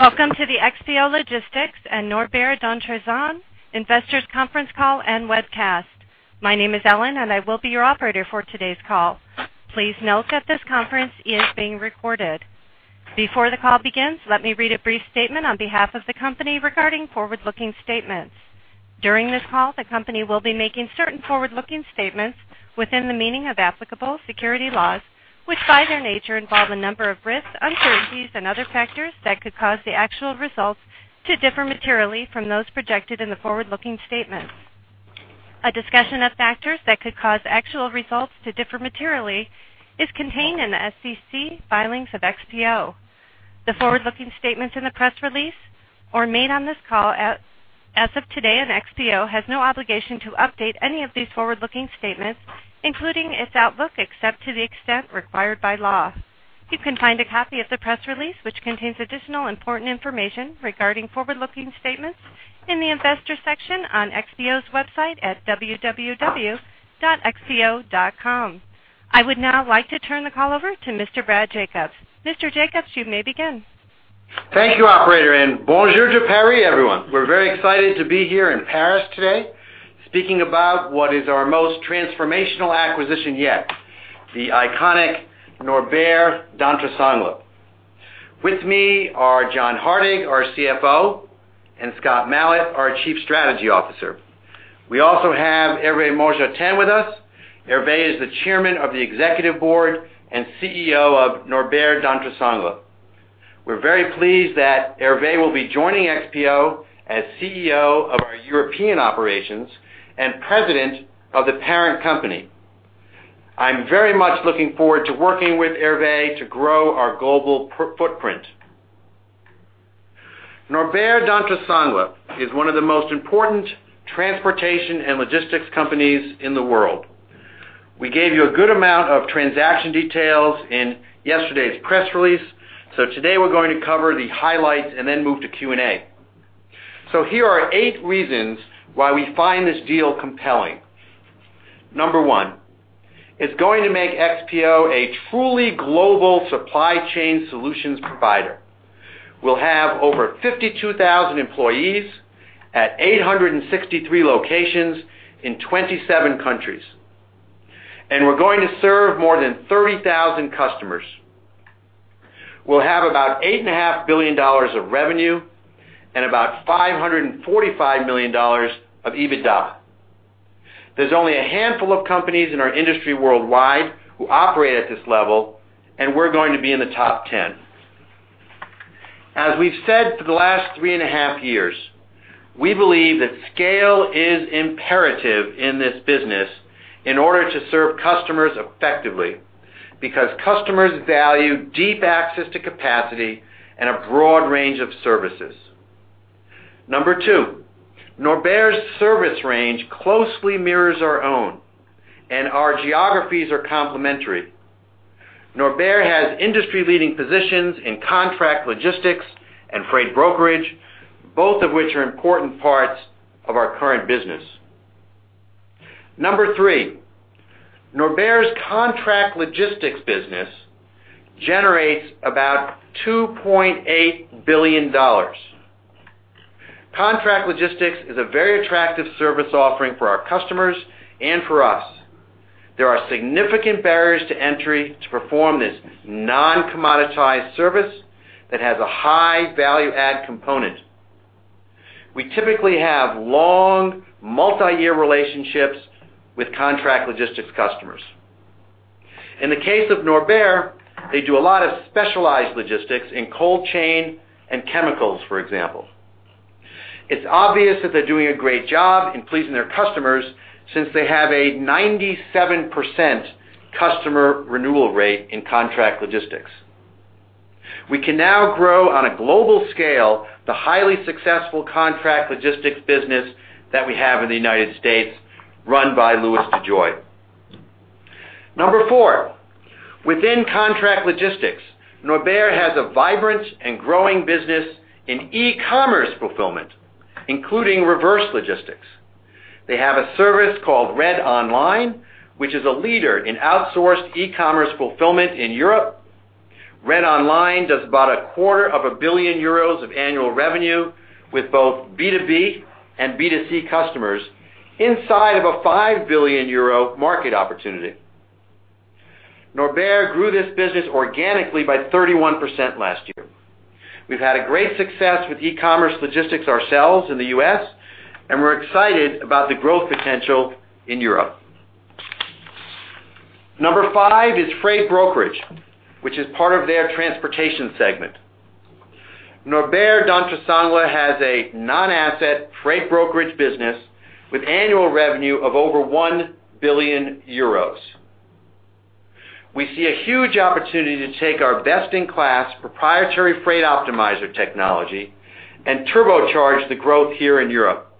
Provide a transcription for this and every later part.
Welcome to the XPO Logistics and Norbert Dentressangle Investors Conference Call and Webcast. My name is Ellen, and I will be your operator for today's call. Please note that this conference is being recorded. Before the call begins, let me read a brief statement on behalf of the company regarding forward-looking statements. During this call, the company will be making certain forward-looking statements within the meaning of applicable security laws, which, by their nature, involve a number of risks, uncertainties, and other factors that could cause the actual results to differ materially from those projected in the forward-looking statements. A discussion of factors that could cause actual results to differ materially is contained in the SEC filings of XPO. The forward-looking statements in the press release or made on this call, as of today, and XPO has no obligation to update any of these forward-looking statements, including its outlook, except to the extent required by law. You can find a copy of the press release, which contains additional important information regarding forward-looking statements, in the Investors section on XPO's website at www.xpo.com. I would now like to turn the call over to Mr. Brad Jacobs. Mr. Jacobs, you may begin. Thank you, operator, and bonjour de Paris, everyone. We're very excited to be here in Paris today, speaking about what is our most transformational acquisition yet, the iconic Norbert Dentressangle. With me are John Hardig, our CFO, and Scott Malat, our Chief Strategy Officer. We also have Hervé Montjotin with us. Hervé is the Chairman of the Executive Board and CEO of Norbert Dentressangle. We're very pleased that Hervé will be joining XPO as CEO of our European operations and President of the parent company. I'm very much looking forward to working with Hervé to grow our global presence footprint. Norbert Dentressangle is one of the most important transportation and logistics companies in the world. We gave you a good amount of transaction details in yesterday's press release, so today we're going to cover the highlights and then move to Q&A. So here are eight reasons why we find this deal compelling. Number one, it's going to make XPO a truly global supply chain solutions provider. We'll have over 52,000 employees at 863 locations in 27 countries, and we're going to serve more than 30,000 customers. We'll have about $8.5 billion of revenue and about $545 million of EBITDA. There's only a handful of companies in our industry worldwide who operate at this level, and we're going to be in the top 10. As we've said for the last 3.5 years, we believe that scale is imperative in this business in order to serve customers effectively, because customers value deep access to capacity and a broad range of services. Number two, Norbert's service range closely mirrors our own, and our geographies are complementary. Norbert has industry-leading positions in contract logistics and freight brokerage, both of which are important parts of our current business. Number three, Norbert's contract logistics business generates about $2.8 billion. Contract logistics is a very attractive service offering for our customers and for us. There are significant barriers to entry to perform this non-commoditized service that has a high value-add component. We typically have long, multiyear relationships with contract logistics customers. In the case of Norbert, they do a lot of specialized logistics in cold chain and chemicals, for example. It's obvious that they're doing a great job in pleasing their customers since they have a 97% customer renewal rate in contract logistics. We can now grow on a global scale the highly successful contract logistics business that we have in the United States, run by Louis DeJoy. Number four, within contract logistics, Norbert has a vibrant and growing business in e-commerce fulfillment, including reverse logistics. They have a service called Red Online, which is a leader in outsourced e-commerce fulfillment in Europe. Red Online does about 250 million euros of annual revenue with both B2B and B2C customers inside of a 5 billion euro market opportunity. Norbert grew this business organically by 31% last year. We've had a great success with e-commerce logistics ourselves in the U.S., and we're excited about the growth potential in Europe. Number five is freight brokerage, which is part of their transportation segment. Norbert Dentressangle has a non-asset freight brokerage business with annual revenue of over 1 billion euros. We see a huge opportunity to take our best-in-class proprietary Freight Optimizer technology and turbocharge the growth here in Europe.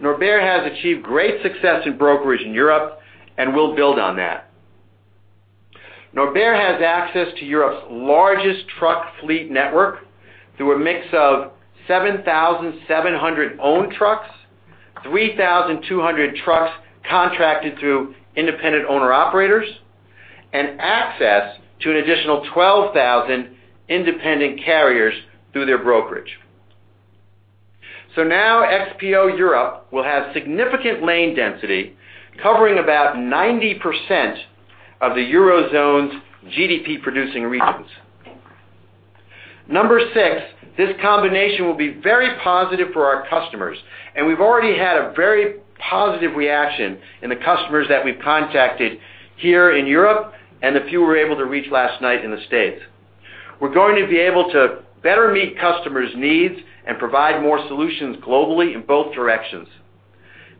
Norbert has achieved great success in brokerage in Europe, and we'll build on that. Norbert has access to Europe's largest truck fleet network through a mix of 7,700 owned trucks, 3,200 trucks contracted through independent owner-operators, and access to an additional 12,000 independent carriers through their brokerage. So now XPO Europe will have significant lane density, covering about 90% of the Eurozone's GDP-producing regions. Number six, this combination will be very positive for our customers, and we've already had a very positive reaction in the customers that we've contacted here in Europe and the few we were able to reach last night in the States. We're going to be able to better meet customers' needs and provide more solutions globally in both directions.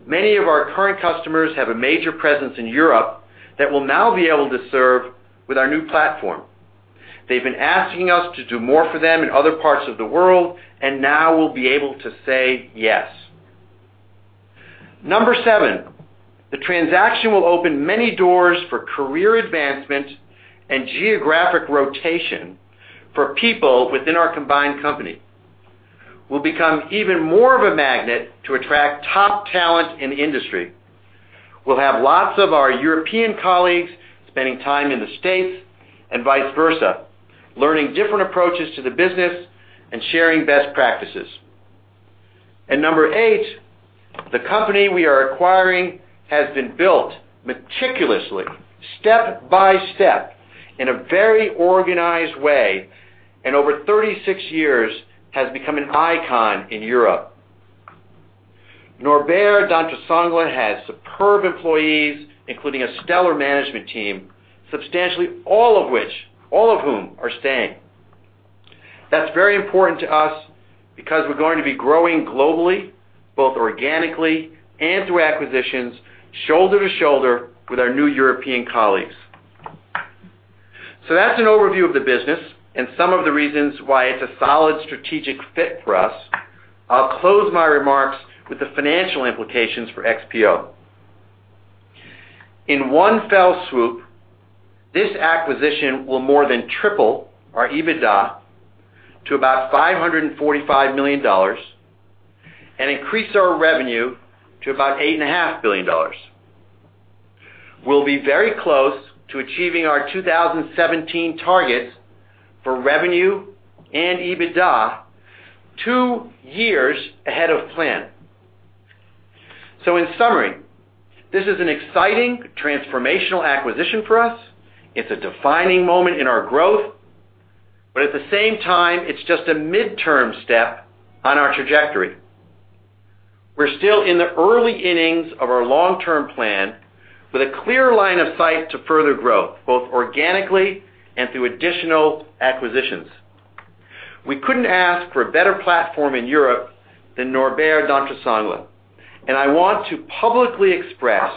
Many of our current customers have a major presence in Europe that we'll now be able to serve with our new platform. They've been asking us to do more for them in other parts of the world, and now we'll be able to say yes. Number seven, the transaction will open many doors for career advancement and geographic rotation for people within our combined company. We'll become even more of a magnet to attract top talent in the industry. We'll have lots of our European colleagues spending time in the States and vice versa, learning different approaches to the business and sharing best practices. Number eight, the company we are acquiring has been built meticulously, step-by-step, in a very organized way, and over 36 years, has become an icon in Europe. Norbert Dentressangle has superb employees, including a stellar management team, substantially all of whom are staying. That's very important to us because we're going to be growing globally, both organically and through acquisitions, shoulder to shoulder with our new European colleagues. So that's an overview of the business and some of the reasons why it's a solid strategic fit for us. I'll close my remarks with the financial implications for XPO. In one fell swoop, this acquisition will more than triple our EBITDA to about $545 million and increase our revenue to about $8.5 billion. We'll be very close to achieving our 2017 targets for revenue and EBITDA two years ahead of plan. So in summary, this is an exciting transformational acquisition for us. It's a defining moment in our growth, but at the same time, it's just a midterm step on our trajectory. We're still in the early innings of our long-term plan with a clear line of sight to further growth, both organically and through additional acquisitions. We couldn't ask for a better platform in Europe than Norbert Dentressangle, and I want to publicly express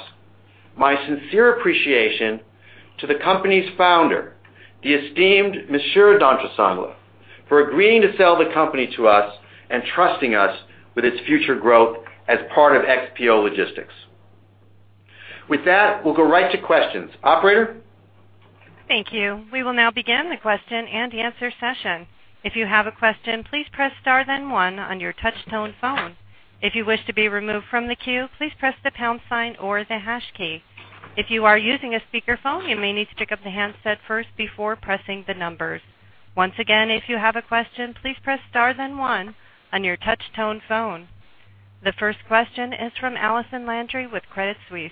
my sincere appreciation to the company's founder, the esteemed Monsieur Dentressangle, for agreeing to sell the company to us and trusting us with its future growth as part of XPO Logistics. With that, we'll go right to questions. Operator? Thank you. We will now begin the question-and-answer session. If you have a question, please press star then one on your touch tone phone. If you wish to be removed from the queue, please press the pound sign or the hash key. If you are using a speakerphone, you may need to pick up the handset first before pressing the numbers. Once again, if you have a question, please press star, then one on your touch tone phone. The first question is from Allison Landry with Credit Suisse.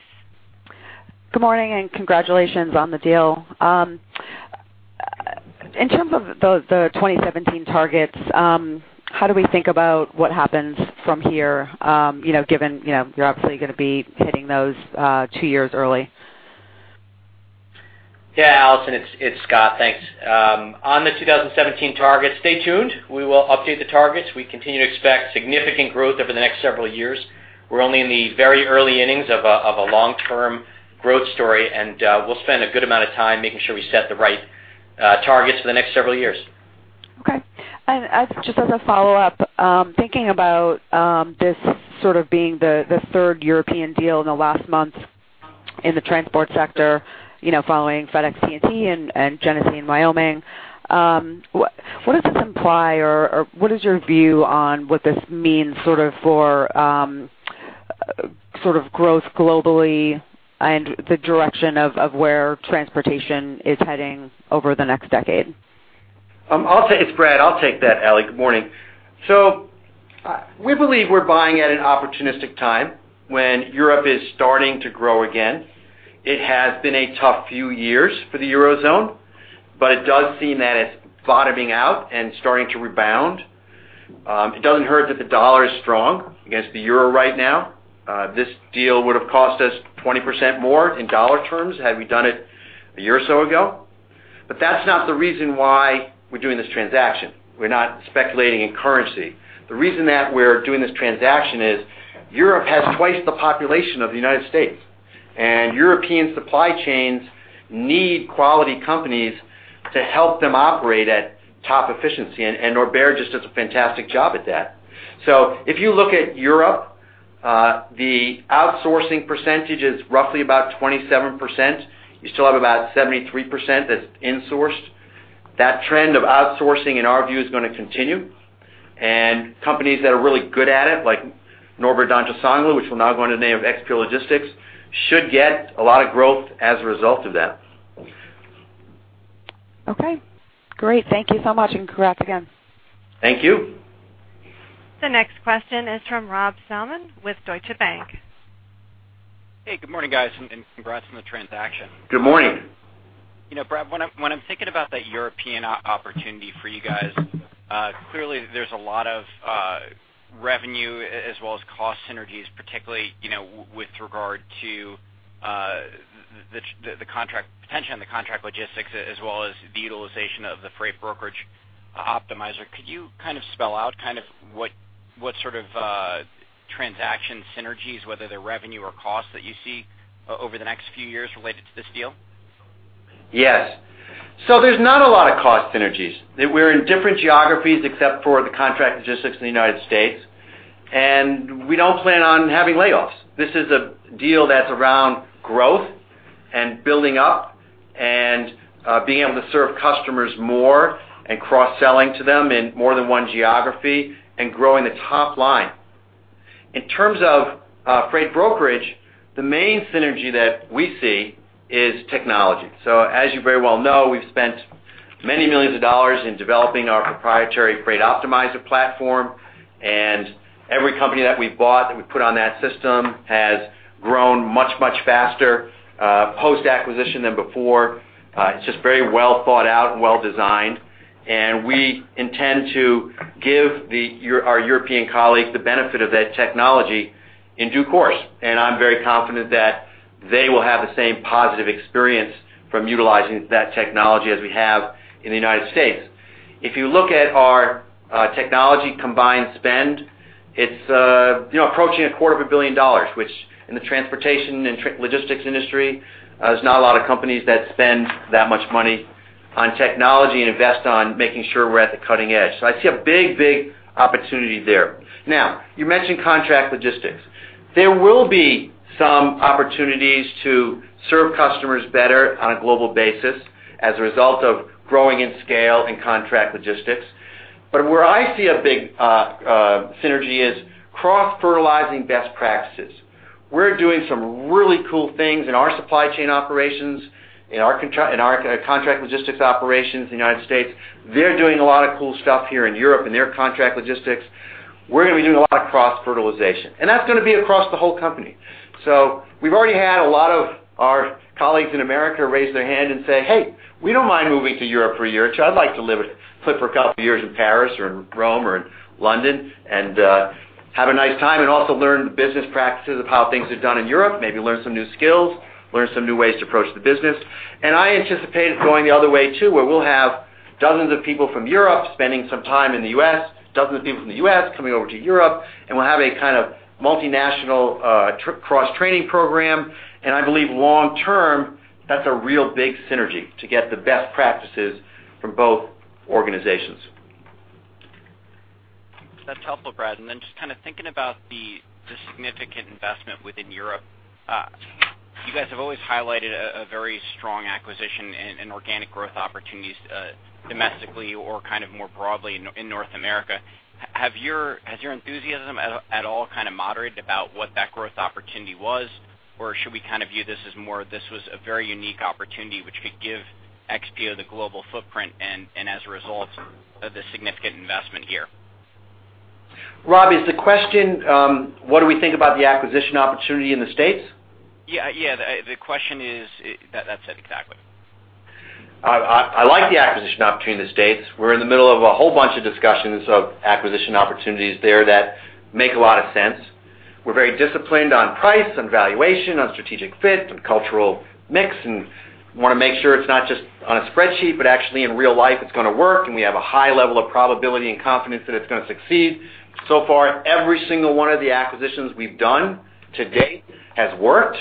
Good morning, and congratulations on the deal. In terms of the 2017 targets, how do we think about what happens from here? You know, given, you know, you're obviously going to be hitting those two years early. Yeah, Allison, it's Scott. Thanks. On the 2017 targets, stay tuned. We will update the targets. We continue to expect significant growth over the next several years. We're only in the very early innings of a long-term growth story, and we'll spend a good amount of time making sure we set the right targets for the next several years. Okay. Just as a follow-up, thinking about this sort of being the third European deal in the last month in the transport sector, you know, following FedEx, TNT, and Genesee & Wyoming, what does this imply or what is your view on what this means sort of for sort of growth globally and the direction of where transportation is heading over the next decade? I'll take that, it's Brad. I'll take that, Allie. Good morning. So, we believe we're buying at an opportunistic time when Europe is starting to grow again. It has been a tough few years for the Eurozone, but it does seem that it's bottoming out and starting to rebound. It doesn't hurt that the dollar is strong against the euro right now. This deal would have cost us 20% more in dollar terms had we done it a year or so ago. But that's not the reason why we're doing this transaction. We're not speculating in currency. The reason that we're doing this transaction is Europe has twice the population of the United States, and European supply chains need quality companies to help them operate at top efficiency, and, and Norbert just does a fantastic job at that. If you look at Europe, the outsourcing percentage is roughly about 27%. You still have about 73% that's insourced. That trend of outsourcing, in our view, is going to continue. And companies that are really good at it, like Norbert Dentressangle, which will now go under the name of XPO Logistics, should get a lot of growth as a result of that. Okay, great. Thank you so much, and congrats again. Thank you. The next question is from Rob Salmon with Deutsche Bank. Hey, good morning, guys, and congrats on the transaction. Good morning. You know, Brad, when I'm thinking about the European opportunity for you guys, clearly, there's a lot of revenue, as well as cost synergies, particularly, you know, with regard to the contract potential in the contract logistics, as well as the utilization of the freight brokerage optimizer. Could you kind of spell out kind of what sort of transaction synergies, whether they're revenue or cost, that you see over the next few years related to this deal? Yes. So there's not a lot of cost synergies. We're in different geographies, except for the contract logistics in the United States, and we don't plan on having layoffs. This is a deal that's around growth and building up and being able to serve customers more and cross-selling to them in more than one geography and growing the top line. In terms of freight brokerage, the main synergy that we see is technology. So as you very well know, we've spent many millions of dollars in developing our proprietary Freight Optimizer platform, and every company that we've bought, that we put on that system, has grown much, much faster post-acquisition than before. It's just very well thought out and well designed, and we intend to give our European colleagues the benefit of that technology in due course. I'm very confident that they will have the same positive experience from utilizing that technology as we have in the United States. If you look at our technology combined spend, it's you know, approaching $250 million, which in the transportation and logistics industry, there's not a lot of companies that spend that much money on technology and invest on making sure we're at the cutting edge. So I see a big, big opportunity there. Now, you mentioned contract logistics. There will be some opportunities to serve customers better on a global basis as a result of growing in scale and contract logistics. But where I see a big synergy is cross-fertilizing best practices. We're doing some really cool things in our supply chain operations, in our contract logistics operations in the United States. They're doing a lot of cool stuff here in Europe, in their contract logistics. We're going to be doing a lot of cross-fertilization, and that's going to be across the whole company. So we've already had a lot of our colleagues in America raise their hand and say, "Hey, we don't mind moving to Europe for a year. So I'd like to live for a couple of years in Paris or in Rome or in London, and have a nice time, and also learn the business practices of how things are done in Europe, maybe learn some new skills, learn some new ways to approach the business." And I anticipate it going the other way, too, where we'll have dozens of people from Europe spending some time in the U.S., dozens of people from the U.S. coming over to Europe, and we'll have a kind of multinational trip cross-training program. And I believe long term, that's a real big synergy to get the best practices from both organizations. That's helpful, Brad. And then just kind of thinking about the significant investment within Europe. You guys have always highlighted a very strong acquisition and organic growth opportunities, domestically or kind of more broadly in North America. Has your enthusiasm at all kind of moderated about what that growth opportunity was? Or should we kind of view this as more, this was a very unique opportunity which could give XPO the global footprint and as a result of the significant investment here? Rob, is the question, what do we think about the acquisition opportunity in the States? Yeah, yeah. The question is, that said it exactly. I like the acquisition opportunity in the States. We're in the middle of a whole bunch of discussions of acquisition opportunities there that make a lot of sense. We're very disciplined on price, on valuation, on strategic fit, on cultural mix, and want to make sure it's not just on a spreadsheet, but actually in real life it's going to work, and we have a high level of probability and confidence that it's going to succeed. So far, every single one of the acquisitions we've done to date has worked,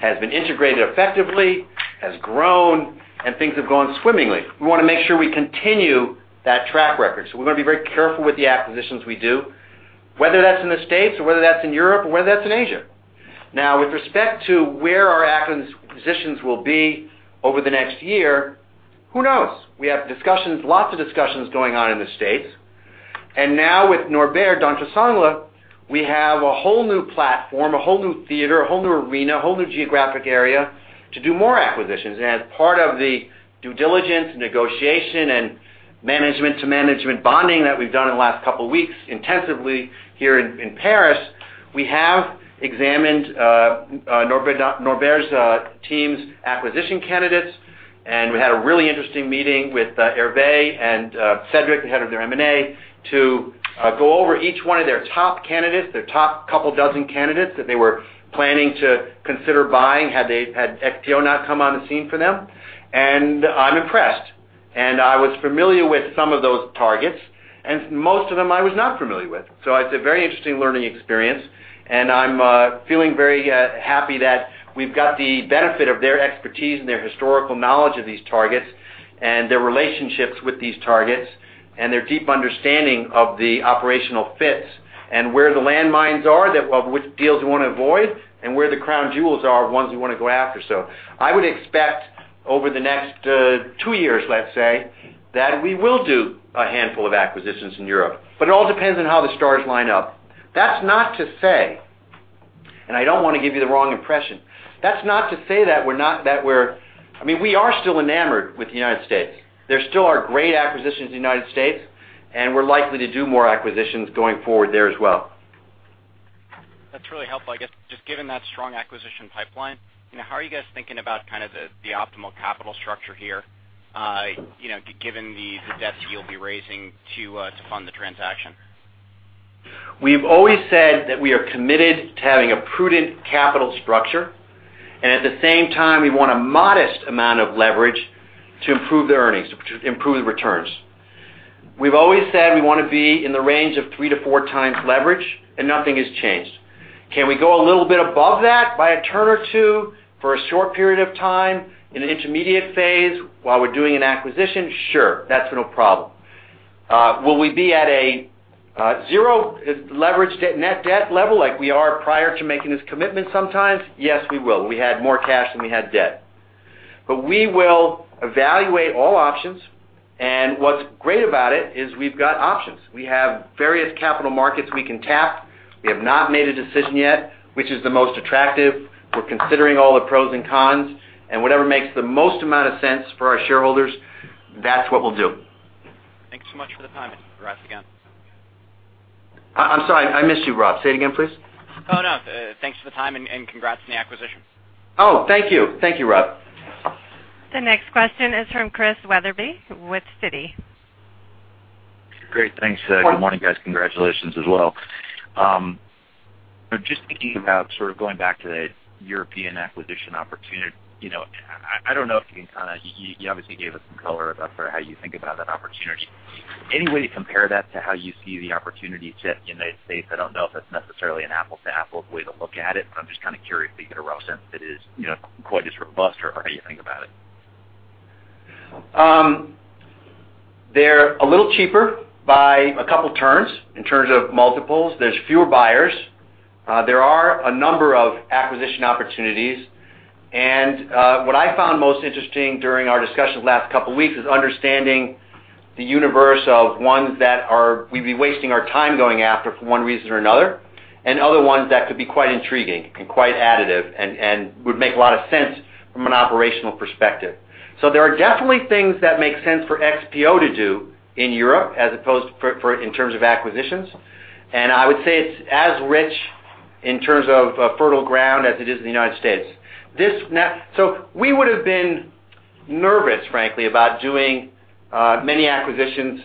has been integrated effectively, has grown, and things have gone swimmingly. We want to make sure we continue that track record, so we're going to be very careful with the acquisitions we do, whether that's in the States or whether that's in Europe or whether that's in Asia. Now, with respect to where our acquisitions will be over the next year, who knows? We have discussions, lots of discussions going on in the States. And now with Norbert Dentressangle, we have a whole new platform, a whole new theater, a whole new arena, a whole new geographic area to do more acquisitions. And as part of the due diligence, negotiation, and management to management bonding that we've done in the last couple of weeks intensively here in Paris, we have examined Norbert's team's acquisition candidates, and we had a really interesting meeting with Hervé and Cédric, the head of their M&A, to go over each one of their top candidates, their top couple dozen candidates that they were planning to consider buying had XPO not come on the scene for them. And I'm impressed. I was familiar with some of those targets, and most of them I was not familiar with. It's a very interesting learning experience, and I'm feeling very happy that we've got the benefit of their expertise and their historical knowledge of these targets and their relationships with these targets... and their deep understanding of the operational fits and where the landmines are, that of which deals we want to avoid, and where the crown jewels are, ones we want to go after. I would expect over the next two years, let's say, that we will do a handful of acquisitions in Europe, but it all depends on how the stars line up. That's not to say, and I don't want to give you the wrong impression. That's not to say that we're not- that we're... I mean, we are still enamored with the United States. There still are great acquisitions in the United States, and we're likely to do more acquisitions going forward there as well. That's really helpful. I guess, just given that strong acquisition pipeline, you know, how are you guys thinking about kind of the, the optimal capital structure here, you know, given the, the debt that you'll be raising to, to fund the transaction? We've always said that we are committed to having a prudent capital structure, and at the same time, we want a modest amount of leverage to improve the earnings, to improve the returns. We've always said we want to be in the range of 3-4 times leverage, and nothing has changed. Can we go a little bit above that by a turn or two for a short period of time, in an intermediate phase while we're doing an acquisition? Sure, that's no problem. Will we be at a zero leverage net debt level like we are prior to making this commitment sometimes? Yes, we will. We had more cash than we had debt. But we will evaluate all options, and what's great about it is we've got options. We have various capital markets we can tap. We have not made a decision yet, which is the most attractive. We're considering all the pros and cons, and whatever makes the most amount of sense for our shareholders, that's what we'll do. Thanks so much for the time. Congrats, again. I'm sorry, I missed you, Rob. Say it again, please. Oh, no. Thanks for the time and congrats on the acquisition. Oh, thank you. Thank you, Rob. The next question is from Chris Wetherbee with Citi. Great. Thanks. Good morning, guys. Congratulations as well. Just thinking about sort of going back to the European acquisition opportunity, you know, I don't know if you can kind of... You obviously gave us some color as for how you think about that opportunity. Any way to compare that to how you see the opportunities in the United States? I don't know if that's necessarily an apples-to-apples way to look at it, but I'm just kind of curious to get a rough sense if it is, you know, quite as robust or how you think about it. They're a little cheaper by a couple turns in terms of multiples. There's fewer buyers. There are a number of acquisition opportunities. And what I found most interesting during our discussions the last couple of weeks is understanding the universe of ones that are- we'd be wasting our time going after for one reason or another, and other ones that could be quite intriguing and quite additive and, and would make a lot of sense from an operational perspective. So there are definitely things that make sense for XPO to do in Europe as opposed for, for-- in terms of acquisitions. And I would say it's as rich in terms of fertile ground as it is in the United States. This now... So we would have been nervous, frankly, about doing many acquisitions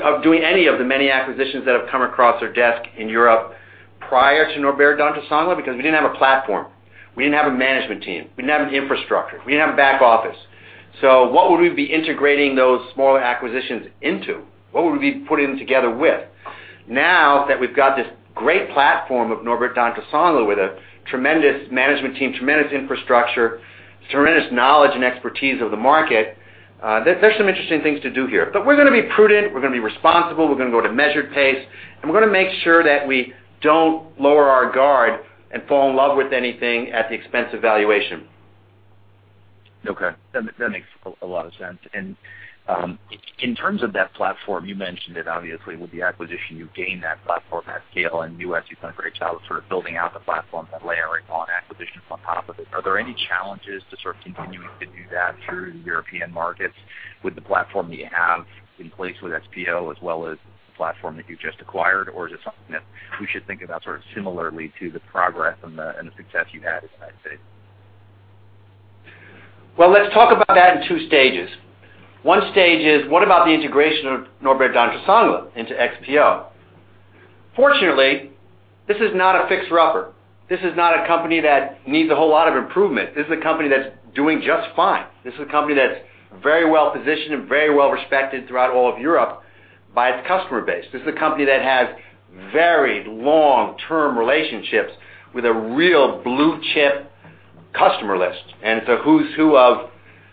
of doing any of the many acquisitions that have come across our desk in Europe prior to Norbert Dentressangle, because we didn't have a platform, we didn't have a management team, we didn't have an infrastructure, we didn't have a back office. So what would we be integrating those smaller acquisitions into? What would we be putting them together with? Now that we've got this great platform of Norbert Dentressangle, with a tremendous management team, tremendous infrastructure, tremendous knowledge and expertise of the market, there's some interesting things to do here. But we're going to be prudent, we're going to be responsible, we're going to go to measured pace, and we're going to make sure that we don't lower our guard and fall in love with anything at the expense of valuation. Okay. That makes a lot of sense. And in terms of that platform, you mentioned it obviously, with the acquisition, you gain that platform at scale, and as you've done a great job of sort of building out the platform and layering on acquisitions on top of it. Are there any challenges to sort of continuing to do that through the European markets with the platform that you have in place with XPO, as well as the platform that you've just acquired? Or is it something that we should think about sort of similarly to the progress and the success you've had in the United States? Well, let's talk about that in two stages. One stage is, what about the integration of Norbert Dentressangle into XPO? Fortunately, this is not a fixer-upper. This is not a company that needs a whole lot of improvement. This is a company that's doing just fine. This is a company that's very well-positioned and very well-respected throughout all of Europe by its customer base. This is a company that has very long-term relationships with a real blue-chip customer list, and it's a who's who of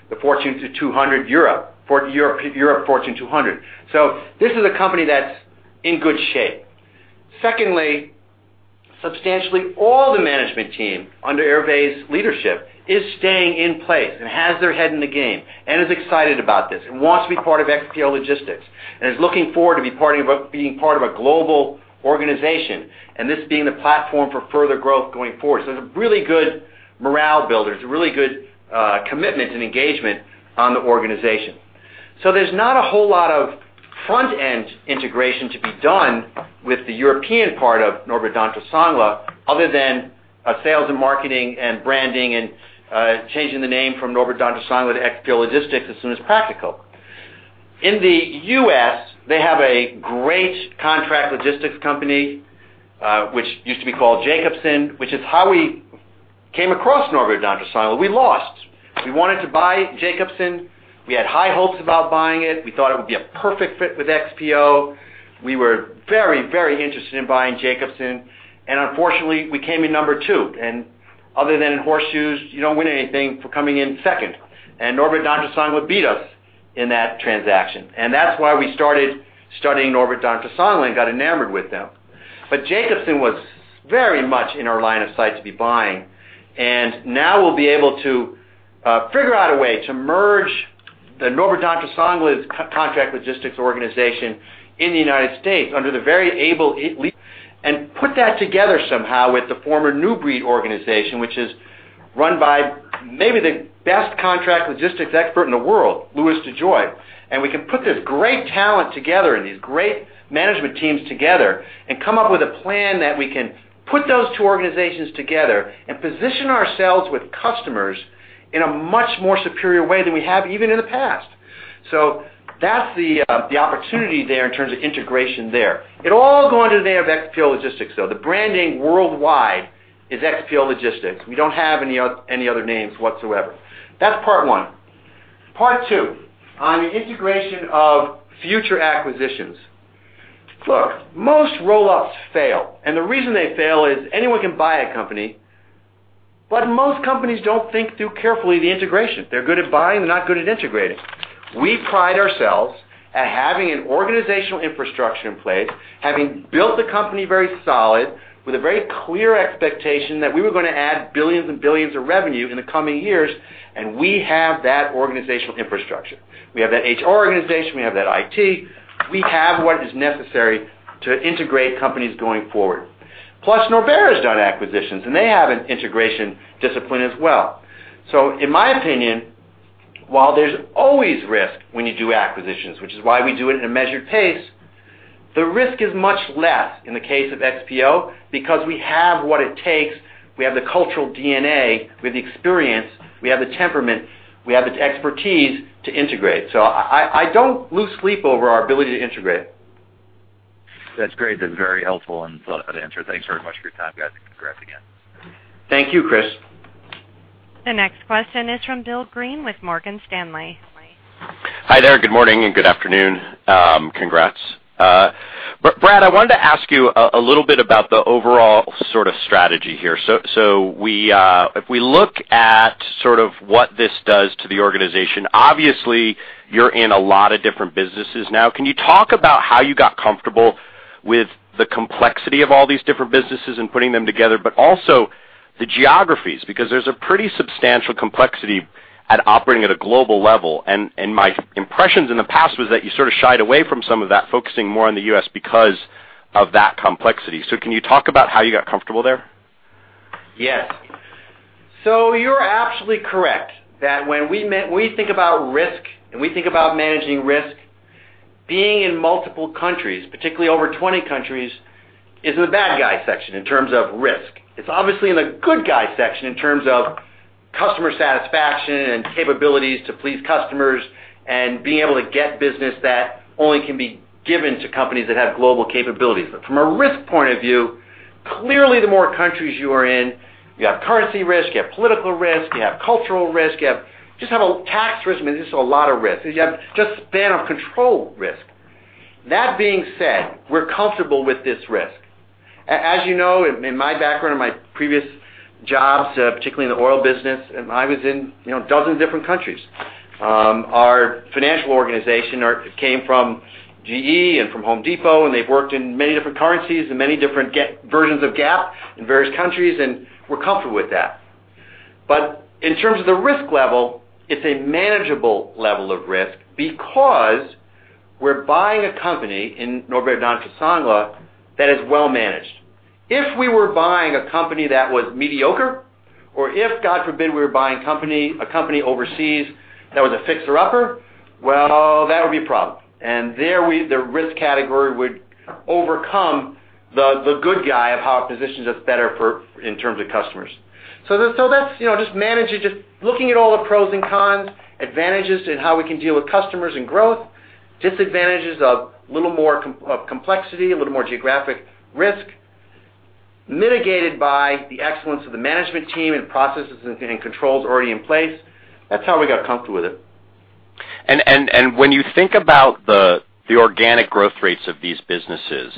the Fortune 200 Europe, for Europe, Europe, Fortune 200. So this is a company that's in good shape. Secondly, substantially, all the management team under Hervé's leadership is staying in place and has their head in the game, and is excited about this, and wants to be part of XPO Logistics, and is looking forward to be part of a—being part of a global organization, and this being the platform for further growth going forward. So there's a really good morale builder. There's a really good commitment and engagement on the organization. So there's not a whole lot of front-end integration to be done with the European part of Norbert Dentressangle, other than a sales and marketing and branding and changing the name from Norbert Dentressangle to XPO Logistics as soon as practical. In the U.S., they have a great contract logistics company, which used to be called Jacobson, which is how we came across Norbert Dentressangle. We lost. We wanted to buy Jacobson. We had high hopes about buying it. We thought it would be a perfect fit with XPO... We were very, very interested in buying Jacobson, and unfortunately, we came in number two, and other than in horseshoes, you don't win anything for coming in second. Norbert Dentressangle beat us in that transaction, and that's why we started studying Norbert Dentressangle, and got enamored with them. But Jacobson was very much in our line of sight to be buying, and now we'll be able to figure out a way to merge the Norbert Dentressangle's contract logistics organization in the United States under the very able and put that together somehow with the former New Breed organization, which is run by maybe the best contract logistics expert in the world, Louis DeJoy. We can put this great talent together and these great management teams together, and come up with a plan that we can put those two organizations together and position ourselves with customers in a much more superior way than we have, even in the past. So that's the opportunity there in terms of integration there. It'll all go under the name of XPO Logistics, though. The brand name worldwide is XPO Logistics. We don't have any other names whatsoever. That's part one. Part two, on the integration of future acquisitions. Look, most roll-ups fail, and the reason they fail is anyone can buy a company, but most companies don't think through carefully the integration. They're good at buying, they're not good at integrating. We pride ourselves at having an organizational infrastructure in place, having built the company very solid, with a very clear expectation that we were gonna add billions and billions of revenue in the coming years, and we have that organizational infrastructure. We have that HR organization, we have that IT. We have what is necessary to integrate companies going forward. Plus, Norbert has done acquisitions, and they have an integration discipline as well. So in my opinion, while there's always risk when you do acquisitions, which is why we do it in a measured pace, the risk is much less in the case of XPO because we have what it takes. We have the cultural DNA, we have the experience, we have the temperament, we have the expertise to integrate. So I, I don't lose sleep over our ability to integrate. That's great. That's very helpful and thought out answer. Thanks very much for your time, guys, and congrats again. Thank you, Chris. The next question is from Bill Greene with Morgan Stanley. Hi there. Good morning, and good afternoon. Congrats. But Brad, I wanted to ask you a little bit about the overall sort of strategy here. So, if we look at sort of what this does to the organization, obviously, you're in a lot of different businesses now. Can you talk about how you got comfortable with the complexity of all these different businesses and putting them together, but also the geographies? Because there's a pretty substantial complexity at operating at a global level, and my impressions in the past was that you sort of shied away from some of that, focusing more on the U.S. because of that complexity. So can you talk about how you got comfortable there? Yes. So you're absolutely correct that when we think about risk, and we think about managing risk, being in multiple countries, particularly over 20 countries, is in the bad guy section in terms of risk. It's obviously in the good guy section in terms of customer satisfaction and capabilities to please customers, and being able to get business that only can be given to companies that have global capabilities. But from a risk point of view, clearly, the more countries you are in, you have currency risk, you have political risk, you have cultural risk, you have just a tax risk, I mean, there's just a lot of risk. You have just span of control risk. That being said, we're comfortable with this risk. As you know, in my background, in my previous jobs, particularly in the oil business, and I was in, you know, a dozen different countries. Our financial organization came from GE and from Home Depot, and they've worked in many different currencies and many different versions of GAAP in various countries, and we're comfortable with that. But in terms of the risk level, it's a manageable level of risk because we're buying a company in Norbert Dentressangle that is well-managed. If we were buying a company that was mediocre, or if, God forbid, we were buying a company overseas that was a fixer-upper, well, that would be a problem. And there, the risk category would overcome the, the good guy of how it positions us better for, in terms of customers. That's, you know, just managing, just looking at all the pros and cons, advantages in how we can deal with customers and growth, disadvantages of a little more complexity, a little more geographic risk, mitigated by the excellence of the management team and processes and controls already in place. That's how we got comfortable with it. When you think about the organic growth rates of these businesses,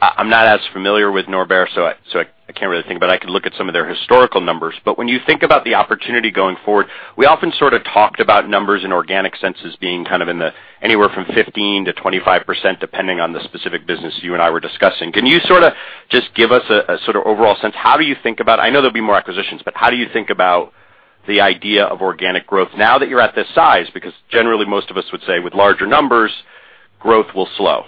I'm not as familiar with Norbert, so I can't really think, but I could look at some of their historical numbers. But when you think about the opportunity going forward, we often sort of talked about numbers in organic senses being kind of in the... anywhere from 15%-25%, depending on the specific business you and I were discussing. Can you sort of just give us a sort of overall sense? How do you think about... I know there'll be more acquisitions, but how do you think about the idea of organic growth now that you're at this size? Because generally, most of us would say with larger numbers, growth will slow.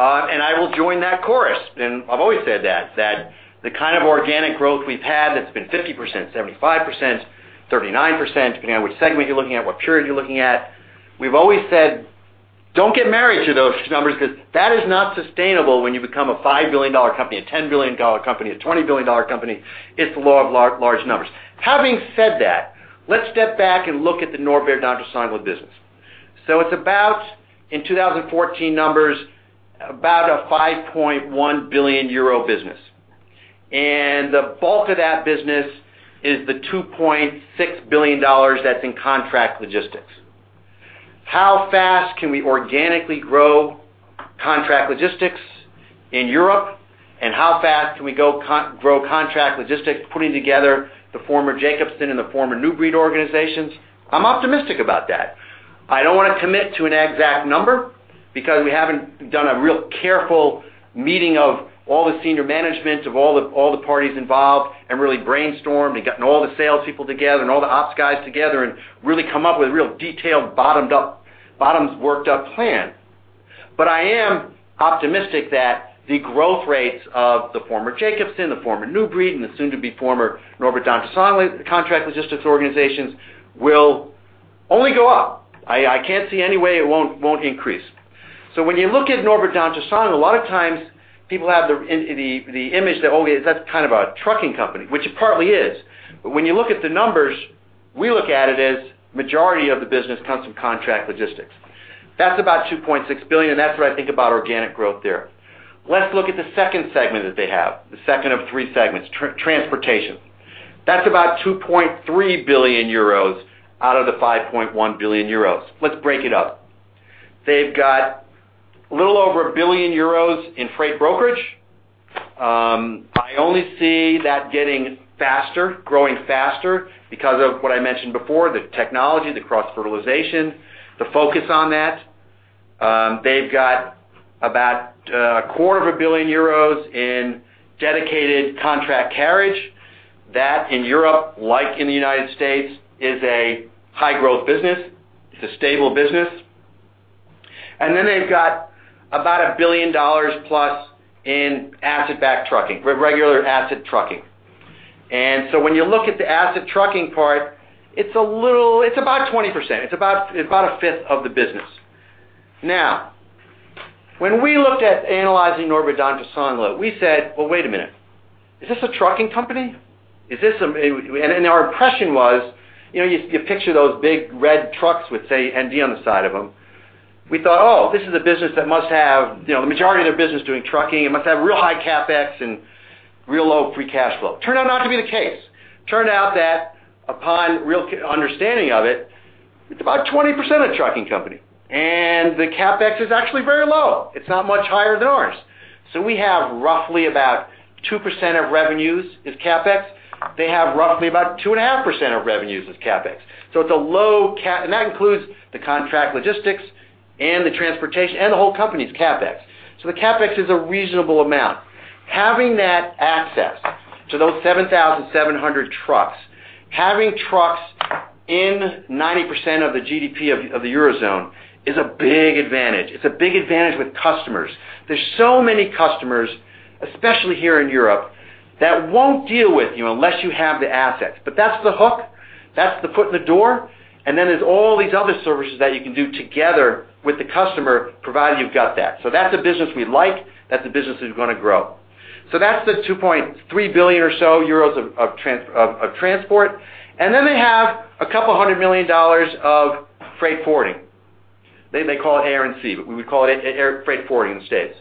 And I will join that chorus, and I've always said that, that the kind of organic growth we've had, that's been 50%, 75%, 39%, depending on which segment you're looking at, what purity you're looking at. We've always said, "Don't get married to those numbers, because that is not sustainable when you become a $5 billion company, a $10 billion company, a $20 billion company. It's the law of large numbers." Having said that, let's step back and look at the Norbert Dentressangle business. So it's about, in 2014 numbers, about a 5.1 billion euro business. And the bulk of that business is the $2.6 billion that's in contract logistics. How fast can we organically grow contract logistics in Europe? How fast can we grow contract logistics, putting together the former Jacobson and the former New Breed organizations? I'm optimistic about that. I don't want to commit to an exact number because we haven't done a real careful meeting of all the senior management, of all the parties involved, and really brainstormed and gotten all the salespeople together and all the ops guys together and really come up with a real detailed, bottom-up, worked-up plan. But I am optimistic that the growth rates of the former Jacobson, the former New Breed, and the soon-to-be former Norbert Dentressangle contract logistics organizations will only go up. I can't see any way it won't increase. So when you look at Norbert Dentressangle, a lot of times people have the image that, okay, that's kind of a trucking company, which it partly is. But when you look at the numbers, we look at it as majority of the business comes from contract logistics. That's about 2.6 billion, and that's what I think about organic growth there. Let's look at the second segment that they have, the second of three segments, transportation. That's about 2.3 billion euros out of the 5.1 billion euros. Let's break it up. They've got a little over 1 billion euros in freight brokerage. I only see that getting faster, growing faster because of what I mentioned before, the technology, the cross-fertilization, the focus on that. They've got about 0.25 billion euros in dedicated contract carriage. That, in Europe, like in the United States, is a high-growth business. It's a stable business. And then they've got about $1 billion plus in asset-backed trucking, with regular asset trucking. And so when you look at the asset trucking part, it's a little—it's about 20%. It's about a fifth of the business. Now, when we looked at analyzing Norbert Dentressangle, we said, "Well, wait a minute. Is this a trucking company? Is this a..." And our impression was, you know, you picture those big red trucks with, say, ND on the side of them. We thought, oh, this is a business that must have, you know, the majority of their business doing trucking. It must have real high CapEx and real low free cash flow. Turned out not to be the case. Turned out that upon real understanding of it, it's about 20% a trucking company, and the CapEx is actually very low. It's not much higher than ours. So we have roughly about 2% of revenues is CapEx. They have roughly about 2.5% of revenues is CapEx. So it's a low CapEx. And that includes the contract logistics and the transportation and the whole company's CapEx. So the CapEx is a reasonable amount. Having that access to those 7,700 trucks, having trucks in 90% of the GDP of the Eurozone, is a big advantage. It's a big advantage with customers. There's so many customers, especially here in Europe, that won't deal with you unless you have the assets. But that's the hook, that's the foot in the door, and then there's all these other services that you can do together with the customer, provided you've got that. So that's a business we like. That's a business that's going to grow. So that's the 2.3 billion or so of transport. And then they have a couple $200 million of freight forwarding. They, they call it Air and Sea, but we would call it air, freight forwarding in the States.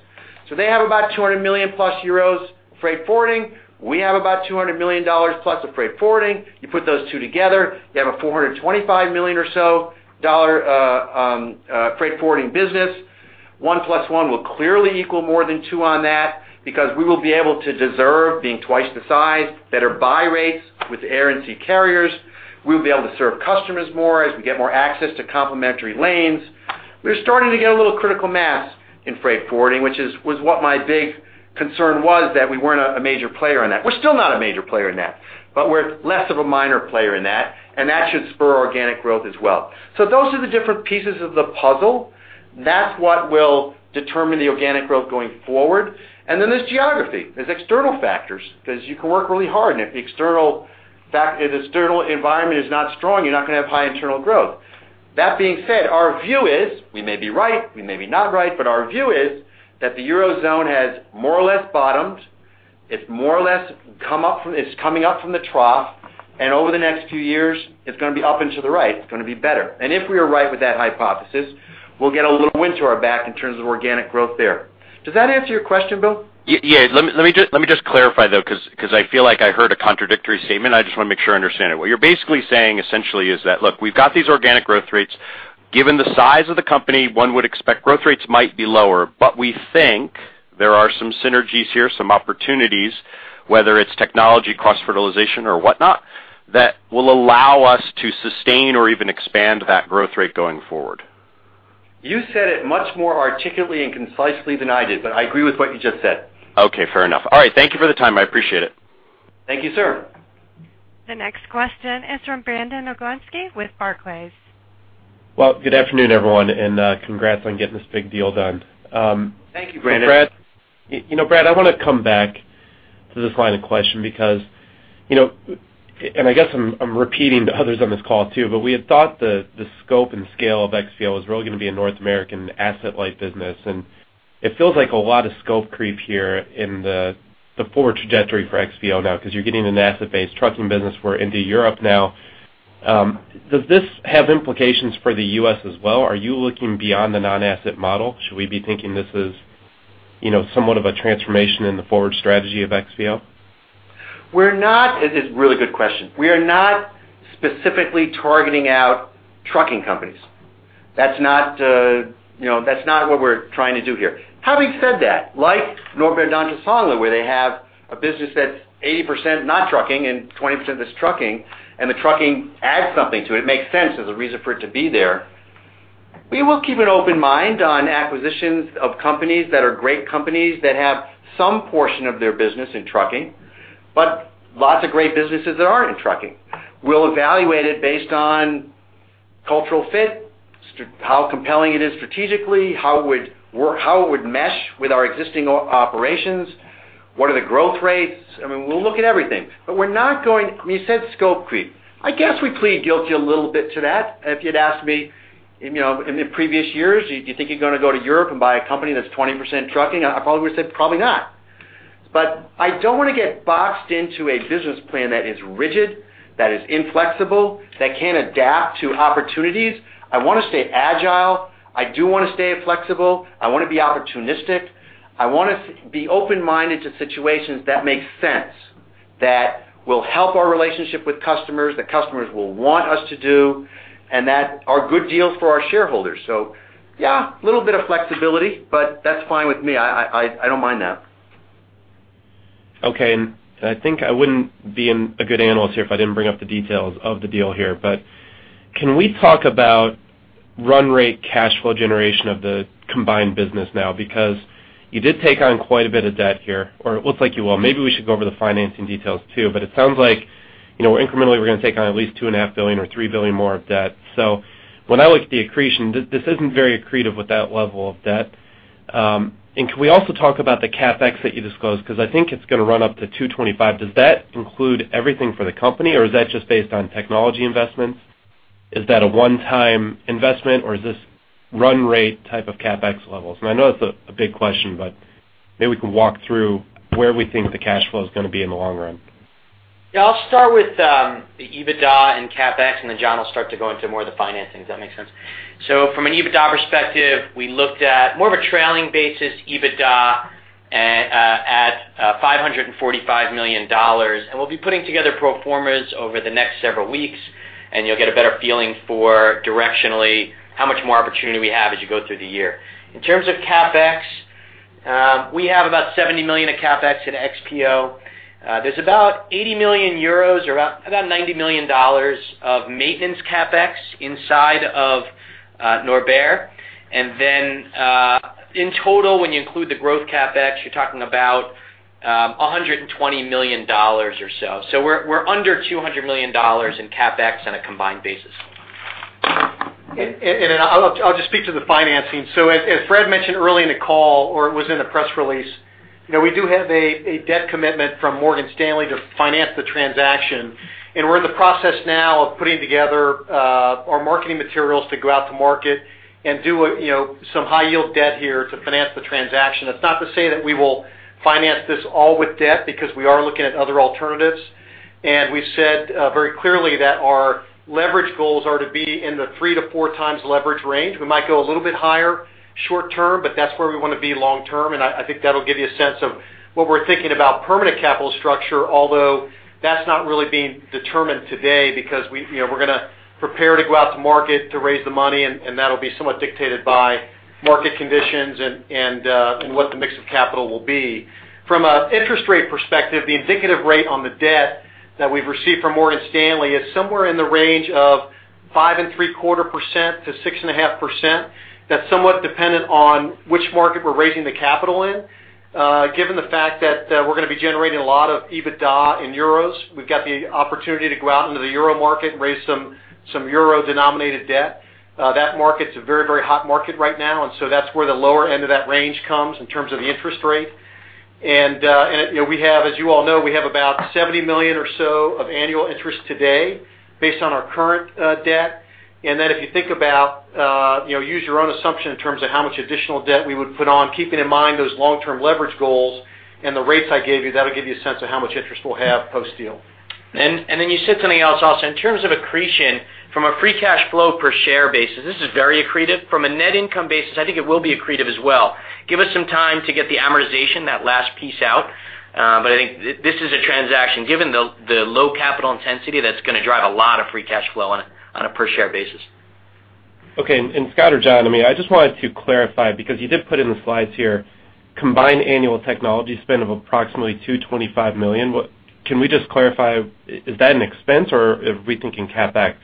So they have about 200 million euros-plus freight forwarding. We have about $200 million plus of freight forwarding. You put those two together, you have a $425 million or so freight forwarding business. One plus one will clearly equal more than two on that because we will be able to leverage, being twice the size, better buy rates with Air and Sea carriers. We'll be able to serve customers more as we get more access to complementary lanes. We're starting to get a little critical mass in freight forwarding, which was what my big concern was, that we weren't a major player in that. We're still not a major player in that, but we're less of a minor player in that, and that should spur organic growth as well. So those are the different pieces of the puzzle. That's what will determine the organic growth going forward. And then there's geography. There's external factors, 'cause you can work really hard, and if the external factor, if the external environment is not strong, you're not going to have high internal growth. That being said, our view is, we may be right, we may be not right, but our view is that the Eurozone has more or less bottomed. It's more or less coming up from the trough, and over the next few years, it's going to be up and to the right. It's going to be better. And if we are right with that hypothesis, we'll get a little wind to our back in terms of organic growth there. Does that answer your question, Bill? Yes. Let me just clarify, though, 'cause I feel like I heard a contradictory statement. I just want to make sure I understand it. What you're basically saying, essentially, is that, look, we've got these organic growth rates. Given the size of the company, one would expect growth rates might be lower, but we think there are some synergies here, some opportunities, whether it's technology, cross-fertilization, or whatnot, that will allow us to sustain or even expand that growth rate going forward. You said it much more articulately and concisely than I did, but I agree with what you just said. Okay, fair enough. All right. Thank you for the time. I appreciate it. Thank you, sir. The next question is from Brandon Oglenski with Barclays. Well, good afternoon, everyone, and congrats on getting this big deal done. Thank you, Brandon. Brad, you know, Brad, I want to come back to this line of question because, you know, and I guess I'm repeating the others on this call, too, but we had thought the scope and scale of XPO was really going to be a North American asset-light business, and it feels like a lot of scope creep here in the forward trajectory for XPO now, because you're getting an asset-based trucking business. We're into Europe now.... Does this have implications for the U.S. as well? Are you looking beyond the non-asset model? Should we be thinking this is, you know, somewhat of a transformation in the forward strategy of XPO? We're not. This is a really good question. We are not specifically targeting out trucking companies. That's not, you know, that's not what we're trying to do here. Having said that, like Norbert Dentressangle, where they have a business that's 80% not trucking and 20% that's trucking, and the trucking adds something to it. It makes sense. There's a reason for it to be there. We will keep an open mind on acquisitions of companies that are great companies that have some portion of their business in trucking, but lots of great businesses that aren't in trucking. We'll evaluate it based on cultural fit, how compelling it is strategically, how it would work, how it would mesh with our existing operations, what are the growth rates? I mean, we'll look at everything, but we're not going... I mean, you said scope creep. I guess we plead guilty a little bit to that. If you'd asked me, you know, in the previous years, do you think you're going to go to Europe and buy a company that's 20% trucking? I probably would have said, probably not. But I don't want to get boxed into a business plan that is rigid, that is inflexible, that can't adapt to opportunities. I want to stay agile. I do want to stay flexible. I want to be opportunistic. I want to be open-minded to situations that make sense, that will help our relationship with customers, that customers will want us to do, and that are good deals for our shareholders. So yeah, a little bit of flexibility, but that's fine with me. I, I, I don't mind that. Okay, and I think I wouldn't be a good analyst here if I didn't bring up the details of the deal here. But can we talk about run rate cash flow generation of the combined business now? Because you did take on quite a bit of debt here, or it looks like you will. Maybe we should go over the financing details, too. But it sounds like, you know, incrementally, we're going to take on at least $2.5 billion or $3 billion more of debt. So when I look at the accretion, this isn't very accretive with that level of debt. And can we also talk about the CapEx that you disclosed? Because I think it's going to run up to $225 million. Does that include everything for the company, or is that just based on technology investments? Is that a one-time investment, or is this run rate type of CapEx levels? And I know it's a big question, but maybe we can walk through where we think the cash flow is going to be in the long run. Yeah, I'll start with the EBITDA and CapEx, and then John will start to go into more of the financing. Does that make sense? So from an EBITDA perspective, we looked at more of a trailing basis, EBITDA, at $545 million, and we'll be putting together pro formas over the next several weeks, and you'll get a better feeling for directionally how much more opportunity we have as you go through the year. In terms of CapEx, we have about $70 million of CapEx at XPO. There's about 80 million euros, or about $90 million of maintenance CapEx inside of Norbert. And then, in total, when you include the growth CapEx, you're talking about $120 million or so. So we're under $200 million in CapEx on a combined basis. I'll just speak to the financing. As Brad mentioned early in the call, or it was in the press release, you know, we do have a debt commitment from Morgan Stanley to finance the transaction, and we're in the process now of putting together our marketing materials to go out to market and do a, you know, some high-yield debt here to finance the transaction. That's not to say that we will finance this all with debt, because we are looking at other alternatives. And we've said very clearly that our leverage goals are to be in the 3-4 times leverage range. We might go a little bit higher short term, but that's where we want to be long term, and I think that'll give you a sense of what we're thinking about permanent capital structure, although that's not really being determined today because we, you know, we're going to prepare to go out to market to raise the money, and that'll be somewhat dictated by market conditions and what the mix of capital will be. From an interest rate perspective, the indicative rate on the debt that we've received from Morgan Stanley is somewhere in the range of 5.75%-6.5%. That's somewhat dependent on which market we're raising the capital in. Given the fact that, we're going to be generating a lot of EBITDA in euros, we've got the opportunity to go out into the euro market and raise some, some euro-denominated debt. That market's a very, very hot market right now, and so that's where the lower end of that range comes in terms of the interest rate. And, and, you know, we have, as you all know, we have about $70 million or so of annual interest today based on our current, debt. And then if you think about, you know, use your own assumption in terms of how much additional debt we would put on, keeping in mind those long-term leverage goals and the rates I gave you, that'll give you a sense of how much interest we'll have post-deal. And then you said something else also. In terms of accretion, from a free cash flow per share basis, this is very accretive. From a net income basis, I think it will be accretive as well. Give us some time to get the amortization, that last piece out, but I think this is a transaction, given the low capital intensity, that's going to drive a lot of free cash flow on a per share basis. Okay, and Scott or John, I mean, I just wanted to clarify, because you did put in the slides here, combined annual technology spend of approximately $225 million. What can we just clarify, is that an expense or are we thinking CapEx?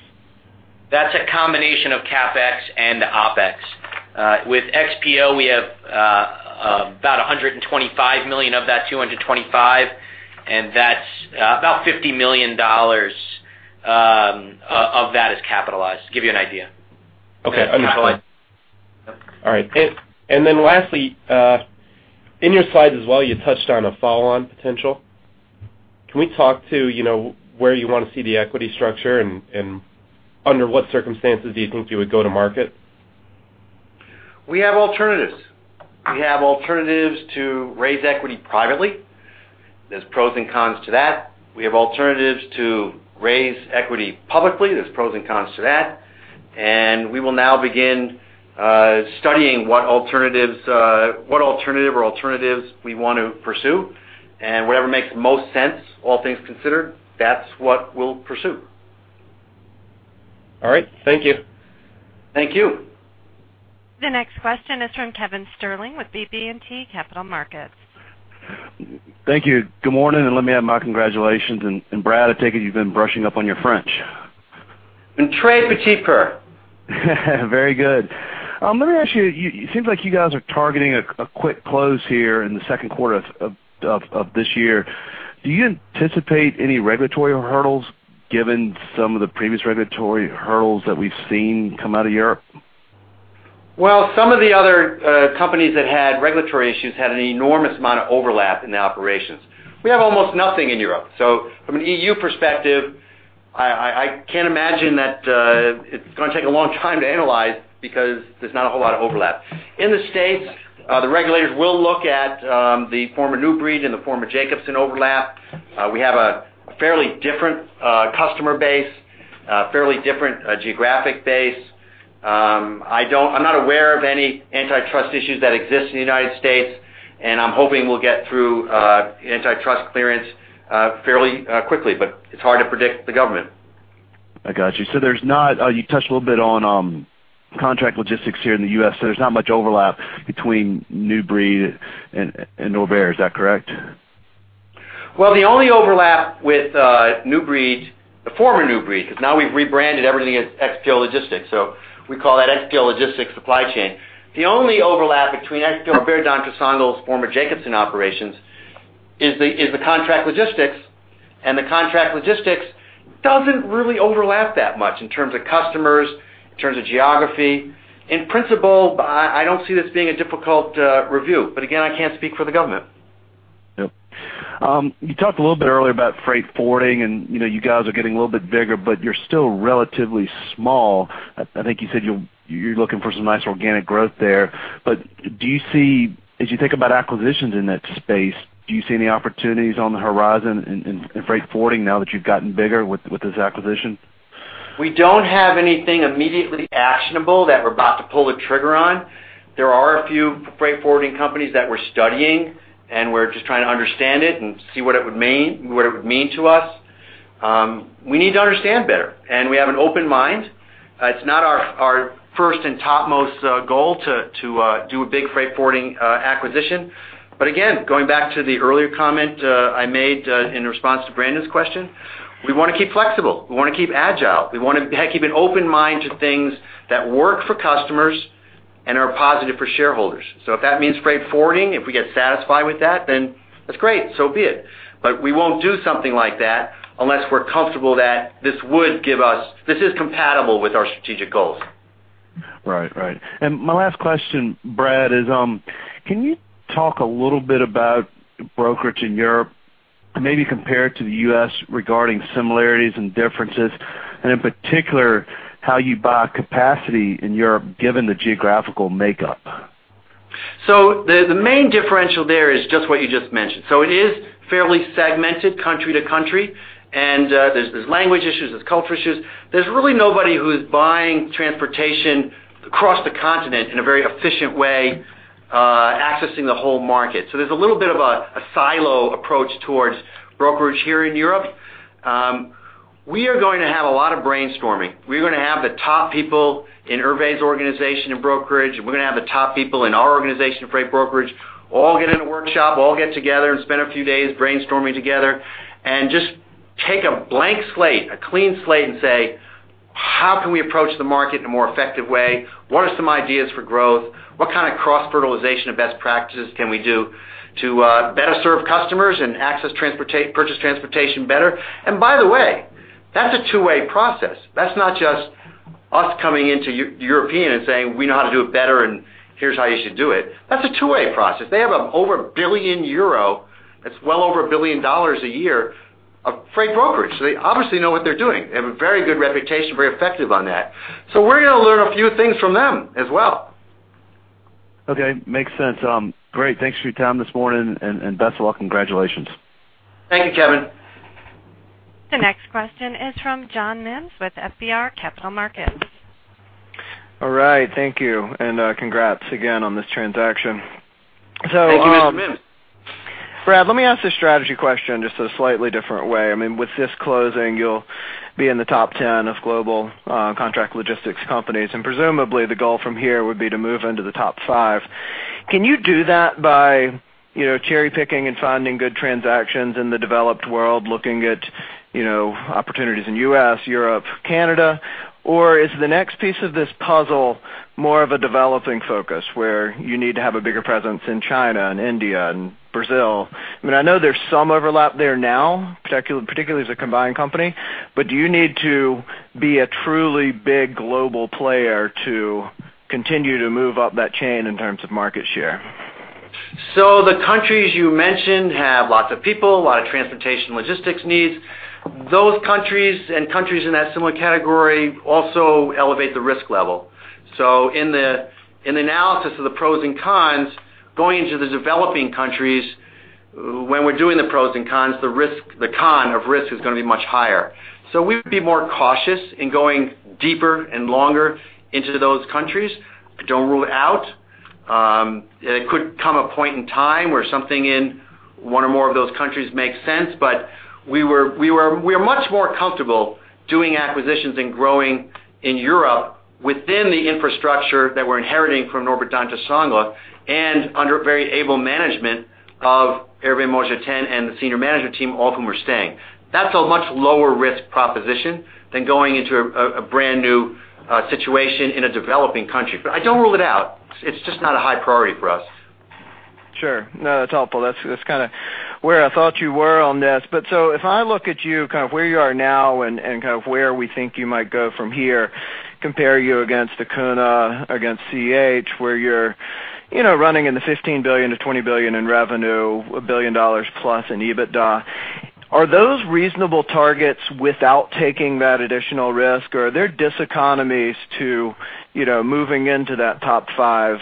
That's a combination of CapEx and OpEx. With XPO, we have about 125 million of that 225, and that's about $50 million of that is capitalized. To give you an idea. Okay. Go ahead. All right. And then lastly, in your slides as well, you touched on a follow-on potential. Can we talk to, you know, where you want to see the equity structure and under what circumstances do you think you would go to market?... We have alternatives. We have alternatives to raise equity privately. There's pros and cons to that. We have alternatives to raise equity publicly. There's pros and cons to that, and we will now begin studying what alternatives, what alternative or alternatives we want to pursue. And whatever makes the most sense, all things considered, that's what we'll pursue. All right. Thank you. Thank you. The next question is from Kevin Sterling with BB&T Capital Markets. Thank you. Good morning, and let me add my congratulations. And Brad, I take it you've been brushing up on your French. Very good. Let me ask you, you, it seems like you guys are targeting a quick close here in the second quarter of this year. Do you anticipate any regulatory hurdles, given some of the previous regulatory hurdles that we've seen come out of Europe? Well, some of the other companies that had regulatory issues had an enormous amount of overlap in their operations. We have almost nothing in Europe, so from an EU perspective, I can't imagine that it's gonna take a long time to analyze because there's not a whole lot of overlap. In the States, the regulators will look at the former New Breed and the former Jacobson overlap. We have a fairly different customer base, a fairly different geographic base. I don't. I'm not aware of any antitrust issues that exist in the United States, and I'm hoping we'll get through antitrust clearance fairly quickly, but it's hard to predict the government. I got you. So there's not... you touched a little bit on contract logistics here in the U.S., so there's not much overlap between New Breed and Hervé, is that correct? Well, the only overlap with New Breed, the former New Breed, 'cause now we've rebranded everything as XPO Logistics, so we call that XPO Logistics Supply Chain. The only overlap between XPO, Norbert Dentressangle's former Jacobson operations, is the contract logistics, and the contract logistics doesn't really overlap that much in terms of customers, in terms of geography. In principle, I don't see this being a difficult review, but again, I can't speak for the government. Yep. You talked a little bit earlier about freight forwarding, and, you know, you guys are getting a little bit bigger, but you're still relatively small. I think you said you're looking for some nice organic growth there. But do you see... As you think about acquisitions in that space, do you see any opportunities on the horizon in freight forwarding now that you've gotten bigger with this acquisition? We don't have anything immediately actionable that we're about to pull the trigger on. There are a few freight forwarding companies that we're studying, and we're just trying to understand it and see what it would mean to us. We need to understand better, and we have an open mind. It's not our first and topmost goal to do a big freight forwarding acquisition. But again, going back to the earlier comment I made in response to Brandon's question, we wanna keep flexible. We wanna keep agile. We wanna, hey, keep an open mind to things that work for customers and are positive for shareholders. So if that means freight forwarding, if we get satisfied with that, then that's great, so be it. But we won't do something like that unless we're comfortable that this would give us. This is compatible with our strategic goals. Right. Right. And my last question, Brad, is, can you talk a little bit about brokerage in Europe, and maybe compare it to the U.S. regarding similarities and differences, and in particular, how you buy capacity in Europe, given the geographical makeup? So the main differential there is just what you just mentioned. So it is fairly segmented country to country, and there's language issues, there's culture issues. There's really nobody who's buying transportation across the continent in a very efficient way, accessing the whole market. So there's a little bit of a silo approach towards brokerage here in Europe. We are going to have a lot of brainstorming. We're gonna have the top people in Hervé's organization in brokerage, and we're gonna have the top people in our organization, freight brokerage, all get in a workshop, all get together and spend a few days brainstorming together and just take a blank slate, a clean slate, and say: How can we approach the market in a more effective way? What are some ideas for growth? What kind of cross-fertilization and best practices can we do to better serve customers and access purchased transportation better? And by the way, that's a two-way process. That's not just us coming into European and saying, "We know how to do it better, and here's how you should do it." That's a two-way process. They have over 1 billion euro, that's well over $1 billion a year, of freight brokerage, so they obviously know what they're doing. They have a very good reputation, very effective on that. So we're gonna learn a few things from them as well. Okay, makes sense. Great. Thanks for your time this morning, and best of luck. Congratulations. Thank you, Kevin. The next question is from John Mims with FBR Capital Markets. All right. Thank you, and congrats again on this transaction. So- Thank you, Mr. Mims. Brad, let me ask a strategy question, just a slightly different way. I mean, with this closing, you'll be in the top ten of global contract logistics companies, and presumably, the goal from here would be to move into the top five. Can you do that by, you know, cherry-picking and finding good transactions in the developed world, looking at, you know, opportunities in U.S., Europe, Canada? Or is the next piece of this puzzle more of a developing focus, where you need to have a bigger presence in China and India and Brazil? I mean, I know there's some overlap there now, particularly as a combined company, but do you need to be a truly big global player to continue to move up that chain in terms of market share? ...So the countries you mentioned have lots of people, a lot of transportation, logistics needs. Those countries and countries in that similar category also elevate the risk level. So in the analysis of the pros and cons, going into the developing countries, when we're doing the pros and cons, the risk, the con of risk is gonna be much higher. So we would be more cautious in going deeper and longer into those countries. I don't rule it out. It could come a point in time where something in one or more of those countries makes sense, but we are much more comfortable doing acquisitions and growing in Europe within the infrastructure that we're inheriting from Norbert Dentressangle, and under very able management of Hervé Montjotin and the senior management team, all of whom are staying. That's a much lower risk proposition than going into a brand new situation in a developing country. But I don't rule it out. It's just not a high priority for us. Sure. No, that's helpful. That's, that's kind of where I thought you were on this. But so if I look at you, kind of where you are now and, and kind of where we think you might go from here, compare you against the Kuehne, against C.H., where you're, you know, running in the $15 billion-$20 billion in revenue, $1 billion plus in EBITDA, are those reasonable targets without taking that additional risk, or are there diseconomies to, you know, moving into that top five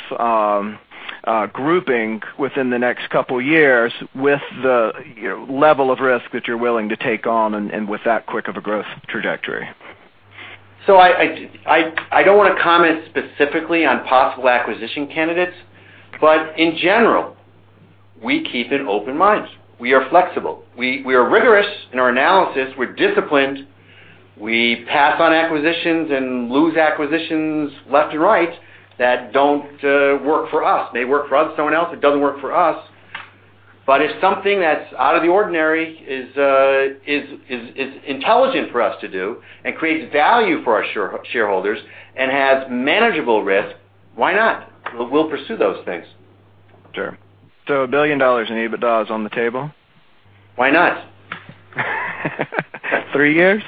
grouping within the next couple of years with the, you know, level of risk that you're willing to take on and, and with that quick of a growth trajectory? So I don't wanna comment specifically on possible acquisition candidates, but in general, we keep an open mind. We are flexible. We are rigorous in our analysis, we're disciplined, we pass on acquisitions and lose acquisitions left and right that don't work for us. May work for someone else, it doesn't work for us. But if something that's out of the ordinary is intelligent for us to do and creates value for our shareholders and has manageable risk, why not? We'll pursue those things. Sure. So $1 billion in EBITDA is on the table? Why not? Three years?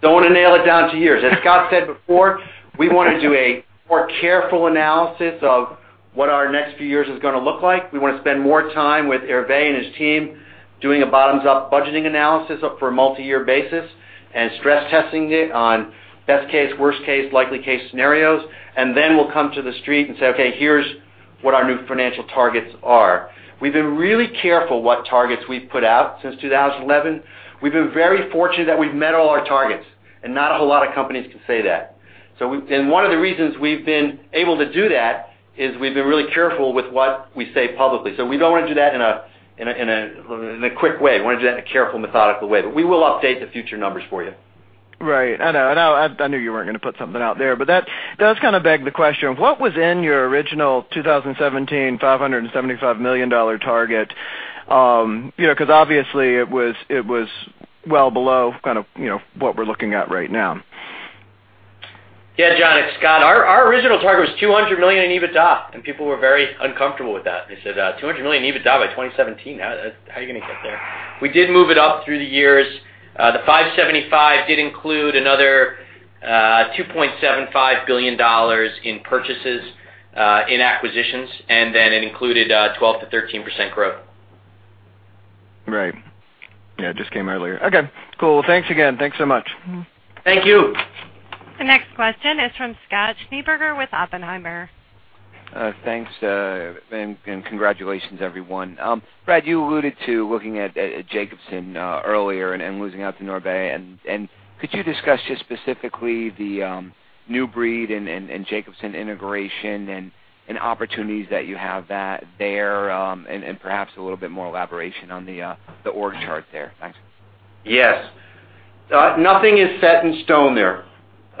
Don't wanna nail it down to years. As Scott said before, we wanna do a more careful analysis of what our next few years is gonna look like. We wanna spend more time with Hervé and his team, doing a bottoms-up budgeting analysis up for a multi-year basis, and stress testing it on best case, worst case, likely case scenarios. And then we'll come to the Street and say, "Okay, here's what our new financial targets are." We've been really careful what targets we've put out since 2011. We've been very fortunate that we've met all our targets, and not a whole lot of companies can say that. So we, and one of the reasons we've been able to do that, is we've been really careful with what we say publicly. So we don't wanna do that in a quick way. We wanna do that in a careful, methodical way, but we will update the future numbers for you. Right. I know, I know. I knew you weren't gonna put something out there, but that does kind of beg the question, what was in your original 2017 $575 million target? You know, 'cause obviously, it was well below kind of, you know, what we're looking at right now. Yeah, John, it's Scott. Our, our original target was $200 million in EBITDA, and people were very uncomfortable with that. They said, "200 million in EBITDA by 2017. How are you gonna get there?" We did move it up through the years. The 575 did include another $2.75 billion in purchases in acquisitions, and then it included 12%-13% growth. Right. Yeah, it just came out earlier. Okay, cool. Thanks again. Thanks so much. Mm-hmm. Thank you. The next question is from Scott Schneeberger with Oppenheimer. Thanks, and congratulations, everyone. Brad, you alluded to looking at Jacobson earlier and losing out to Norbert. And could you discuss just specifically the New Breed and Jacobson integration and opportunities that you have there, and perhaps a little bit more elaboration on the org chart there? Thanks. Yes. Nothing is set in stone there.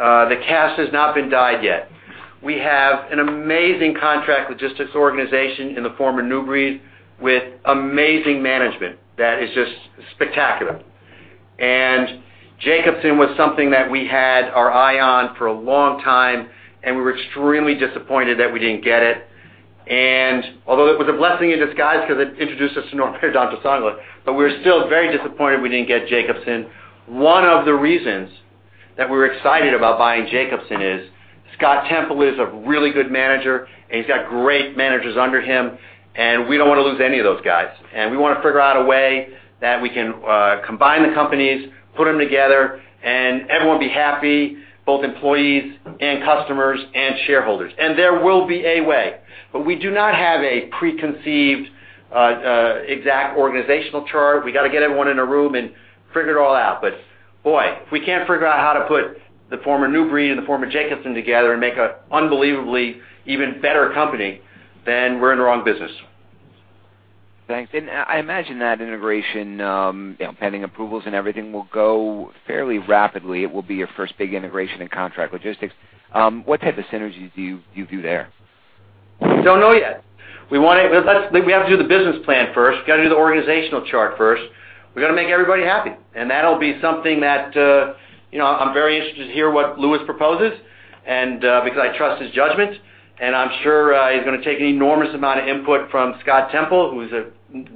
The die has not been cast yet. We have an amazing contract with just this organization in the former New Breed, with amazing management that is just spectacular. Jacobson was something that we had our eye on for a long time, and we were extremely disappointed that we didn't get it. Although it was a blessing in disguise because it introduced us to Norbert Dentressangle, we're still very disappointed we didn't get Jacobson. One of the reasons that we're excited about buying Jacobson is, Scott Temple is a really good manager, and he's got great managers under him, and we don't wanna lose any of those guys. We wanna figure out a way that we can combine the companies, put them together, and everyone be happy, both employees and customers and shareholders. And there will be a way. But we do not have a preconceived, exact organizational chart. We got to get everyone in a room and figure it all out. But boy, if we can't figure out how to put the former New Breed and the former Jacobson together and make a unbelievably even better company, then we're in the wrong business. Thanks. I imagine that integration, you know, pending approvals and everything, will go fairly rapidly. It will be your first big integration and contract logistics. What type of synergies do you view there? Don't know yet. We want to-- But let's-- We have to do the business plan first. We've got to do the organizational chart first. We've got to make everybody happy, and that'll be something that, you know, I'm very interested to hear what Louis proposes, and, because I trust his judgment, and I'm sure, he's gonna take an enormous amount of input from Scott Temple, who's a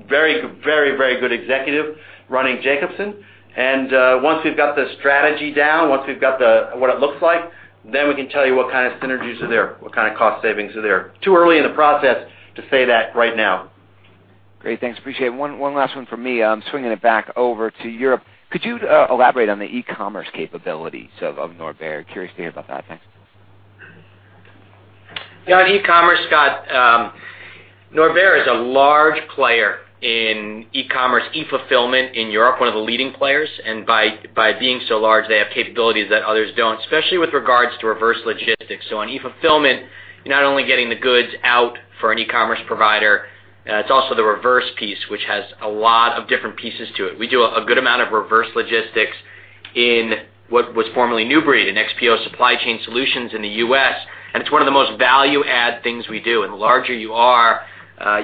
very, very good executive running Jacobson. And, once we've got the strategy down, once we've got the-- what it looks like-... Then we can tell you what kind of synergies are there, what kind of cost savings are there. Too early in the process to say that right now. Great, thanks. Appreciate it. One last one for me. I'm swinging it back over to Europe. Could you, elaborate on the e-commerce capabilities of Norbert? Curious to hear about that. Thanks. Yeah, on e-commerce, Scott, Norbert is a large player in e-commerce, e-fulfillment in Europe, one of the leading players. And by being so large, they have capabilities that others don't, especially with regards to reverse logistics. So on e-fulfillment, you're not only getting the goods out for an e-commerce provider, it's also the reverse piece, which has a lot of different pieces to it. We do a good amount of reverse logistics in what was formerly New Breed, in XPO Supply Chain Solutions in the U.S., and it's one of the most value-add things we do. And the larger you are,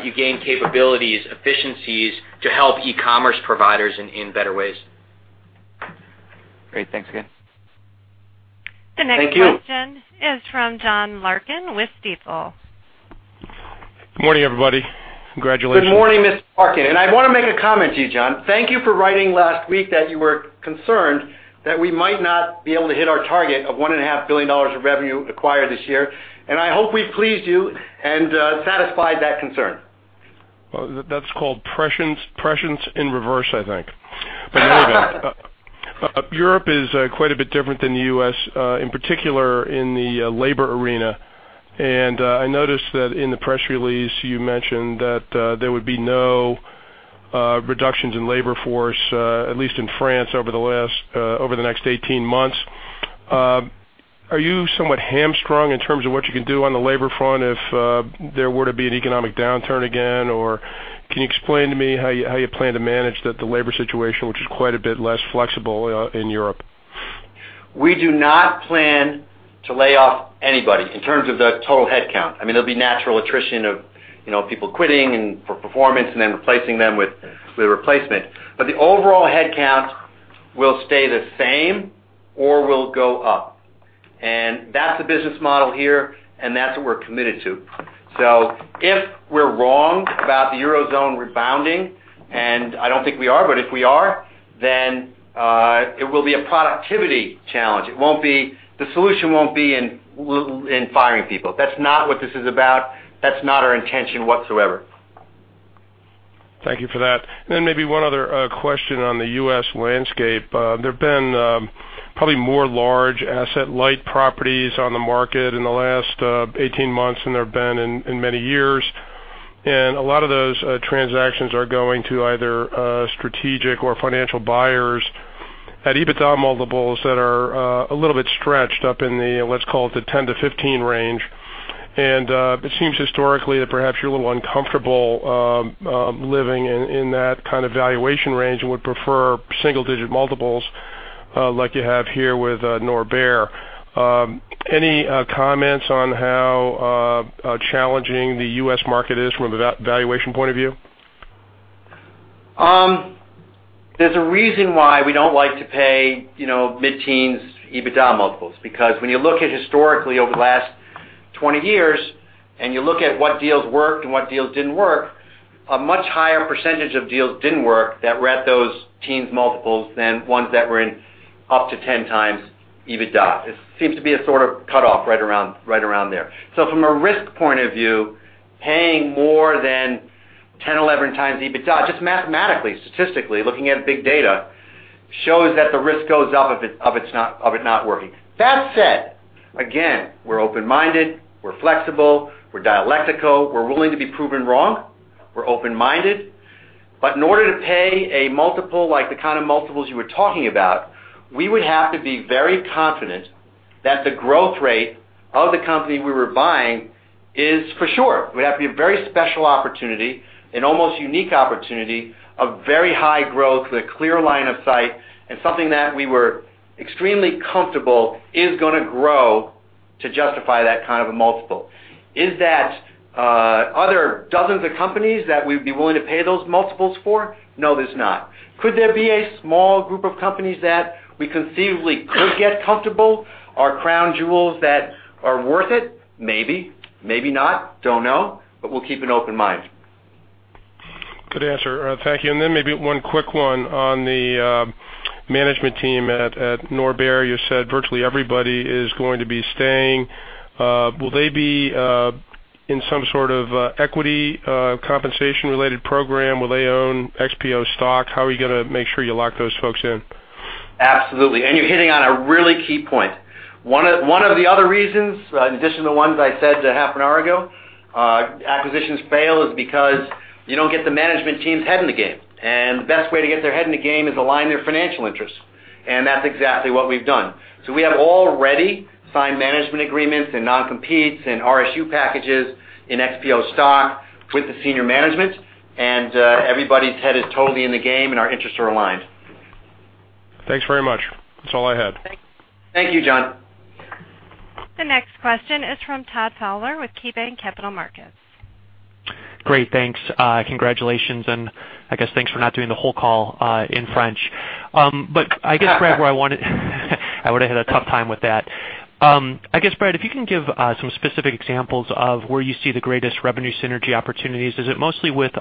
you gain capabilities, efficiencies to help e-commerce providers in better ways. Great. Thanks again. Thank you. The next question is from John Larkin with Stifel. Good morning, everybody. Congratulations. Good morning, Mr. Larkin, and I want to make a comment to you, John. Thank you for writing last week that you were concerned that we might not be able to hit our target of $1.5 billion of revenue acquired this year, and I hope we've pleased you and satisfied that concern. Well, that's called prescience, prescience in reverse, I think. But move on. Europe is quite a bit different than the U.S., in particular in the labor arena. I noticed that in the press release, you mentioned that there would be no reductions in labor force, at least in France, over the next 18 months. Are you somewhat hamstrung in terms of what you can do on the labor front if there were to be an economic downturn again? Or can you explain to me how you plan to manage the labor situation, which is quite a bit less flexible in Europe? We do not plan to lay off anybody in terms of the total headcount. I mean, there'll be natural attrition of, you know, people quitting and for performance and then replacing them with the replacement. But the overall headcount will stay the same or will go up, and that's the business model here, and that's what we're committed to. So if we're wrong about the Eurozone rebounding, and I don't think we are, but if we are, then it will be a productivity challenge. It won't be. The solution won't be in firing people. That's not what this is about. That's not our intention whatsoever. Thank you for that. And then maybe one other question on the U.S. landscape. There have been probably more large asset-light properties on the market in the last 18 months than there have been in many years. And a lot of those transactions are going to either strategic or financial buyers at EBITDA multiples that are a little bit stretched up in the, let's call it, the 10-15 range. And it seems historically that perhaps you're a little uncomfortable living in that kind of valuation range and would prefer single-digit multiples like you have here with Norbert. Any comments on how challenging the U.S. market is from a valuation point of view? There's a reason why we don't like to pay, you know, mid-teens EBITDA multiples. Because when you look at historically over the last 20 years, and you look at what deals worked and what deals didn't work, a much higher percentage of deals didn't work that were at those teens multiples than ones that were in up to 10x EBITDA. It seems to be a sort of cutoff right around there. So from a risk point of view, paying more than 10, 11x EBITDA, just mathematically, statistically, looking at big data, shows that the risk goes up of it not working. That said, again, we're open-minded, we're flexible, we're dialectical, we're willing to be proven wrong. We're open-minded, but in order to pay a multiple, like the kind of multiples you were talking about, we would have to be very confident that the growth rate of the company we were buying is for sure. It would have to be a very special opportunity, an almost unique opportunity, a very high growth with a clear line of sight and something that we were extremely comfortable is gonna grow to justify that kind of a multiple. Is that other dozens of companies that we'd be willing to pay those multiples for? No, there's not. Could there be a small group of companies that we conceivably could get comfortable, are crown jewels that are worth it? Maybe, maybe not. Don't know, but we'll keep an open mind. Good answer. Thank you. And then maybe one quick one on the management team at Norbert. You said virtually everybody is going to be staying. Will they be in some sort of equity compensation-related program? Will they own XPO stock? How are you gonna make sure you lock those folks in? Absolutely, and you're hitting on a really key point. One of the other reasons, in addition to the ones I said half an hour ago, acquisitions fail, is because you don't get the management team's head in the game. And the best way to get their head in the game is align their financial interests, and that's exactly what we've done. So we have already signed management agreements and non-competes and RSU packages in XPO stock with the senior management, and everybody's head is totally in the game, and our interests are aligned. Thanks very much. That's all I had. Thank you, John. The next question is from Todd Fowler with KeyBanc Capital Markets. Great, thanks. Congratulations, and I guess thanks for not doing the whole call in French. But I guess, Brad, where I wanted, I would have had a tough time with that. I guess, Brad, if you can give some specific examples of where you see the greatest revenue synergy opportunities. Is it mostly with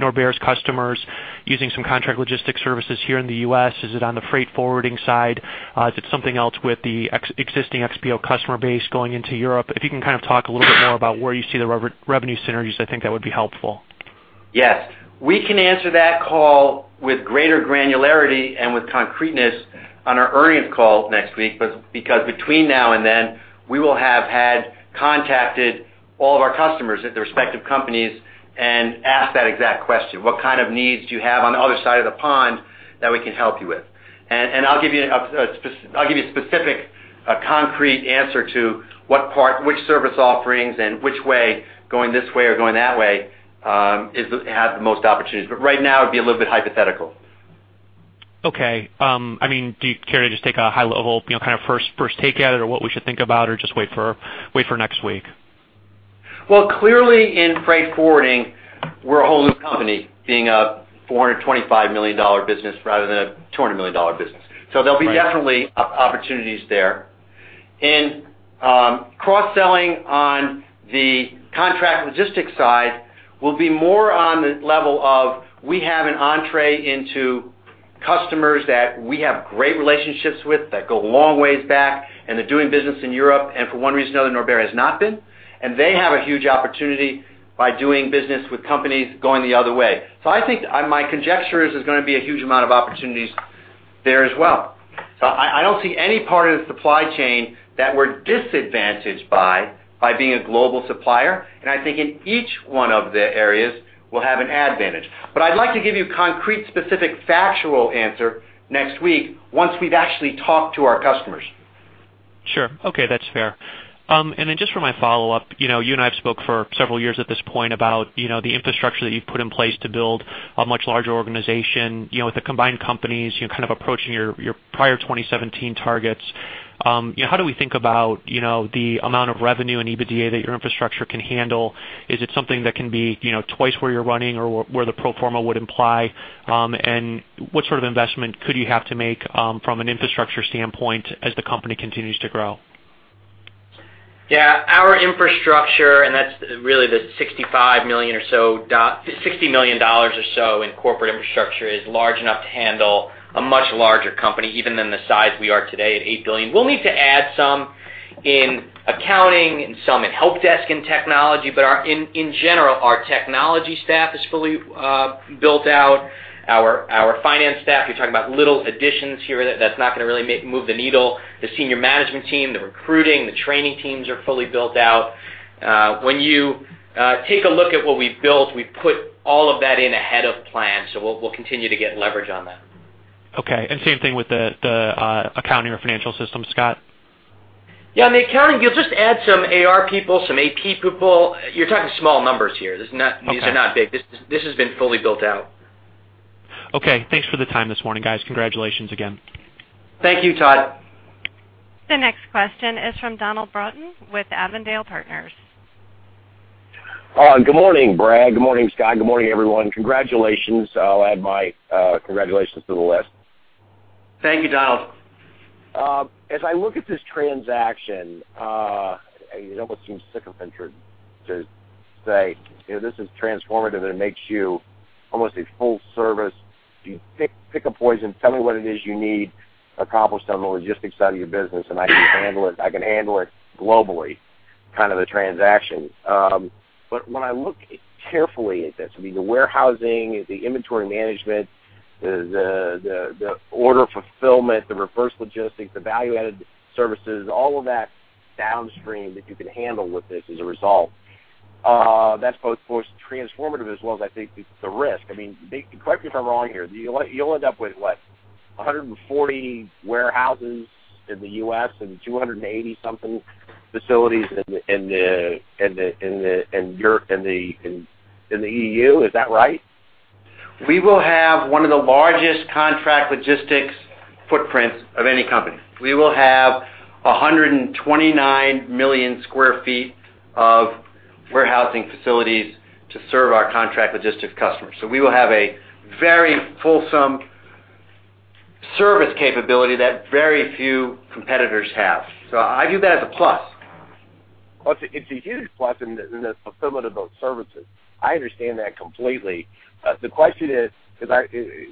Norbert's customers using some contract logistic services here in the U.S.? Is it on the freight forwarding side? Is it something else with the existing XPO customer base going into Europe? If you can kind of talk a little bit more about where you see the revenue synergies, I think that would be helpful. Yes. We can answer that call with greater granularity and with concreteness on our earnings call next week, but because between now and then, we will have had contacted all of our customers at the respective companies and asked that exact question, "What kind of needs do you have on the other side of the pond that we can help you with?" And I'll give you a specific, a concrete answer to what part, which service offerings, and which way, going this way or going that way, is, has the most opportunities. But right now, it'd be a little bit hypothetical. Okay. I mean, do you care to just take a high level, you know, kind of first take at it, or what we should think about, or just wait for next week? Well, clearly, in freight forwarding, we're a whole new company, being a $425 million business rather than a $200 million business. So there'll be definitely opportunities there. And, cross-selling on the contract logistics side will be more on the level of we have an entree into customers that we have great relationships with, that go a long ways back, and they're doing business in Europe, and for one reason or another, Norbert has not been, and they have a huge opportunity by doing business with companies going the other way. So I think, my conjecture is there's gonna be a huge amount of opportunities there as well. So I don't see any part of the supply chain that we're disadvantaged by, by being a global supplier, and I think in each one of the areas, we'll have an advantage. I'd like to give you concrete, specific, factual answer next week once we've actually talked to our customers. Sure. Okay, that's fair. And then just for my follow-up, you know, you and I have spoke for several years at this point about, you know, the infrastructure that you've put in place to build a much larger organization, you know, with the combined companies, you're kind of approaching your, your prior 2017 targets. You know, how do we think about, you know, the amount of revenue and EBITDA that your infrastructure can handle? Is it something that can be, you know, twice where you're running or where the pro forma would imply? And what sort of investment could you have to make, from an infrastructure standpoint as the company continues to grow? Yeah. Our infrastructure, and that's really the $65 million or so—$60 million or so in corporate infrastructure, is large enough to handle a much larger company, even than the size we are today at $8 billion. We'll need to add some in accounting and some in help desk and technology, but our, in general, our technology staff is fully built out. Our finance staff, you're talking about little additions here that's not gonna really move the needle. The senior management team, the recruiting, the training teams are fully built out. When you take a look at what we've built, we've put all of that in ahead of plan, so we'll continue to get leverage on that. Okay. And same thing with the accounting or financial system, Scott? Yeah, in the accounting, you'll just add some AR people, some AP people. You're talking small numbers here. This is not- Okay. These are not big. This has been fully built out. Okay. Thanks for the time this morning, guys. Congratulations again. Thank you, Todd. The next question is from Donald Broughton with Avondale Partners. Good morning, Brad. Good morning, Scott. Good morning, everyone. Congratulations. I'll add my congratulations to the list. Thank you, Donald. As I look at this transaction, it almost seems sycophantic to say, you know, this is transformative, and it makes you almost a full service. You pick a poison, tell me what it is you need accomplished on the logistics side of your business, and I can handle it—I can handle it globally, kind of a transaction. But when I look carefully at this, I mean, the warehousing, the inventory management, the order fulfillment, the reverse logistics, the value-added services, all of that downstream that you can handle with this as a result, that's both transformative as well as I think it's the risk. I mean, correct me if I'm wrong here, you'll end up with, what, 140 warehouses in the U.S. and 280-something facilities in Europe, in the EU? Is that right? We will have one of the largest contract logistics footprints of any company. We will have 129 million sq ft of warehousing facilities to serve our contract logistics customers. So we will have a very fulsome service capability that very few competitors have. So I view that as a plus. Well, it's a huge plus in the fulfillment of those services. I understand that completely. The question is, because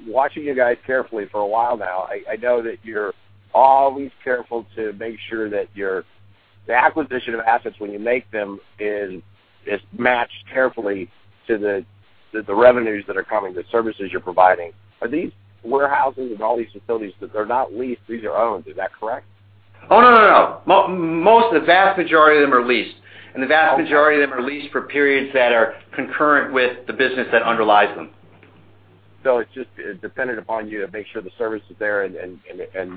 watching you guys carefully for a while now, I know that you're always careful to make sure that your... The acquisition of assets when you make them is matched carefully to the revenues that are coming, the services you're providing. Are these warehouses and all these facilities? They're not leased. These are owned. Is that correct? Oh, no, no, no! Most, the vast majority of them are leased, and the vast majority of them are leased for periods that are concurrent with the business that underlies them. So it's just dependent upon you to make sure the service is there and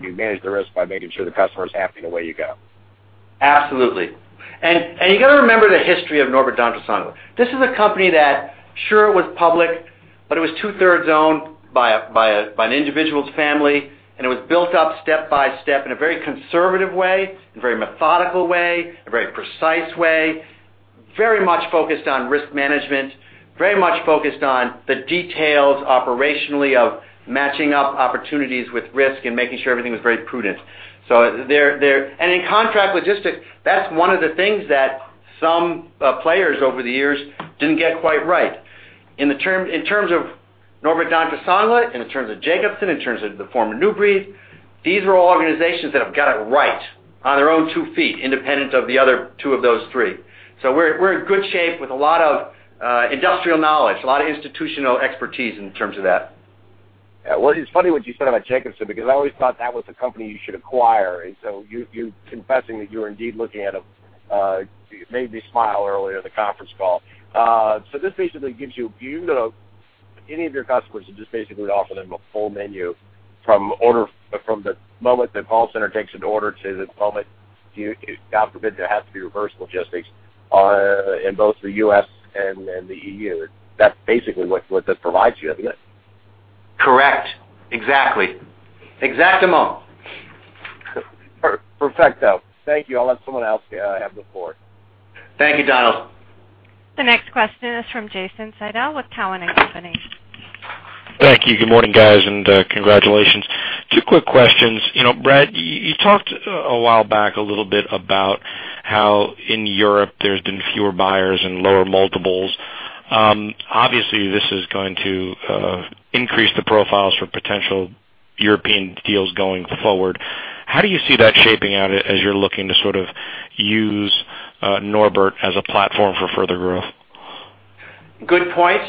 you manage the risk by making sure the customer is happy the way you go? Absolutely. You got to remember the history of Norbert Dentressangle. This is a company that, sure, it was public, but it was two-thirds owned by an individual's family, and it was built up step by step in a very conservative way, in a very methodical way, a very precise way. Very much focused on risk management, very much focused on the details operationally of matching up opportunities with risk and making sure everything was very prudent. So they're, and in contract logistics, that's one of the things that some players over the years didn't get quite right. In terms of Norbert Dentressangle, and in terms of Jacobson, in terms of the former New Breed, these were all organizations that have got it right on their own two feet, independent of the other two of those three. We're in good shape with a lot of industrial knowledge, a lot of institutional expertise in terms of that. Yeah. Well, it's funny what you said about Jacobson, because I always thought that was a company you should acquire, and so you confessing that you were indeed looking at them made me smile earlier in the conference call. So this basically gives you, you know, any of your customers, you just basically offer them a full menu from order, from the moment the call center takes an order to the moment, you, God forbid, there has to be reverse logistics in both the U.S. and the EU. That's basically what this provides you, isn't it? Correct. Exactly. Exactamo. Perfect. Thank you. I'll let someone else have the floor. Thank you, Donald. The next question is from Jason Seidl with Cowen and Company. Thank you. Good morning, guys, and congratulations. Two quick questions. You know, Brad, you talked a while back a little bit about how in Europe there's been fewer buyers and lower multiples. Obviously, this is going to increase the profiles for potential European deals going forward. How do you see that shaping out as you're looking to sort of use Norbert as a platform for further growth? Good point.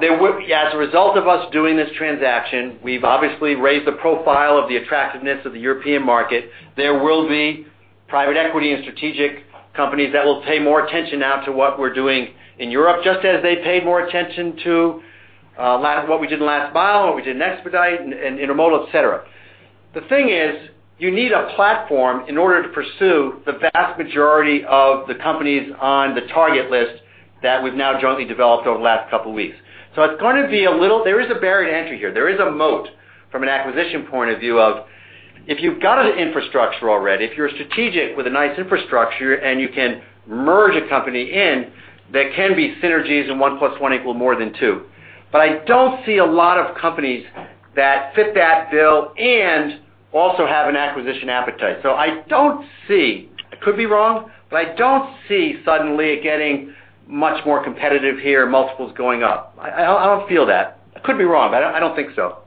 There would as a result of us doing this transaction, we've obviously raised the profile of the attractiveness of the European market. There will be private equity and strategic companies that will pay more attention now to what we're doing in Europe, just as they paid more attention to what we did in last mile, what we did in expedite and intermodal, et cetera. The thing is, you need a platform in order to pursue the vast majority of the companies on the target list that we've now jointly developed over the last couple weeks. So it's going to be a little— there is a barrier to entry here. There is a moat from an acquisition point of view of, if you've got an infrastructure already, if you're strategic with a nice infrastructure and you can merge a company in, there can be synergies, and one plus one equal more than two. But I don't see a lot of companies that fit that bill and also have an acquisition appetite. So I don't see, I could be wrong, but I don't see suddenly it getting much more competitive here, multiples going up. I don't feel that. I could be wrong, but I don't think so.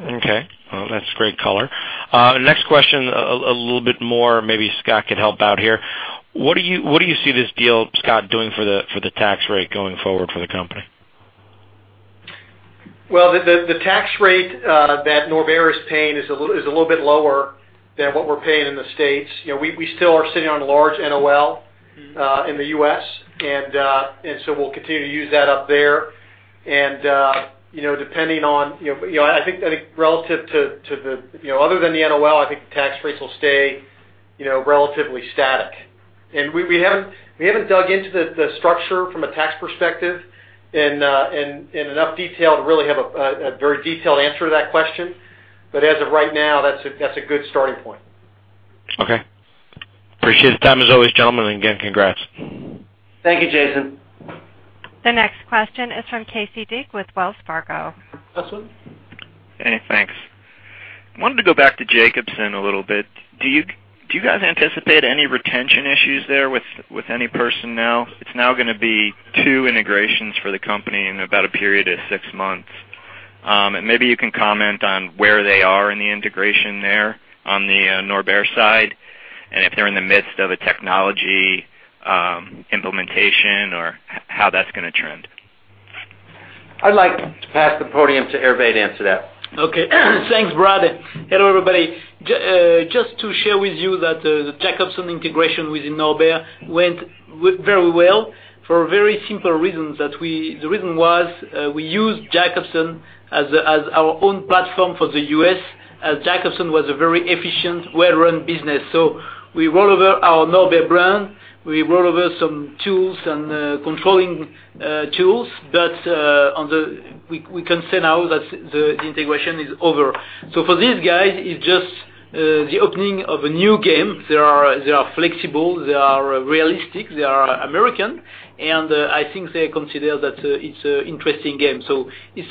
Okay. Well, that's great color. Next question, a little bit more, maybe Scott could help out here. What do you, what do you see this deal, Scott, doing for the, for the tax rate going forward for the company? Well, the tax rate that Norbert is paying is a little bit lower than what we're paying in the States. You know, we still are sitting on a large NOL in the U.S., and so we'll continue to use that up there. And you know, depending on, you know, I think relative to the, you know, other than the NOL, I think the tax rates will stay, you know, relatively static. And we haven't dug into the structure from a tax perspective in enough detail to really have a very detailed answer to that question. But as of right now, that's a good starting point. Okay. Appreciate the time, as always, gentlemen, and again, congrats. Thank you, Jason. The next question is from Casey Deak with Wells Fargo. Casey? Hey, thanks. Wanted to go back to Jacobson a little bit. Do you guys anticipate any retention issues there with any person now? It's now gonna be two integrations for the company in about a period of six months. And maybe you can comment on where they are in the integration there on the Norbert side, and if they're in the midst of a technology implementation, or how that's gonna trend. I'd like to pass the podium to Hervé to answer that. Okay. Thanks, Brad. Hello, everybody. Just to share with you that the Jacobson integration within Norbert went very well for a very simple reason, that the reason was, we used Jacobson as our own platform for the U.S., as Jacobson was a very efficient, well-run business. So we roll over our Norbert brand, we roll over some tools and controlling tools, but on the... We can say now that the integration is over. So for these guys, it's just the opening of a new game. They are flexible, they are realistic, they are American, and I think they consider that it's an interesting game. So it's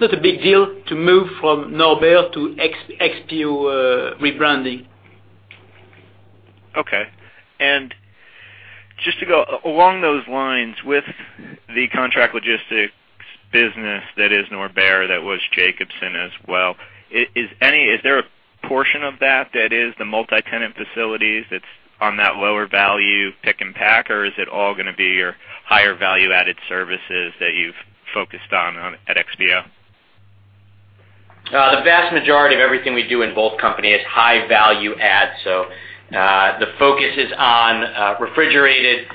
not a big deal to move from Norbert to XPO rebranding. Okay. And just to go along those lines, with the contract logistics business, that is Norbert, that was Jacobson as well, is there a portion of that that is the multi-tenant facilities that's on that lower value pick and pack, or is it all gonna be your higher value-added services that you've focused on at XPO? The vast majority of everything we do in both companies is high value add. So, the focus is on refrigerated,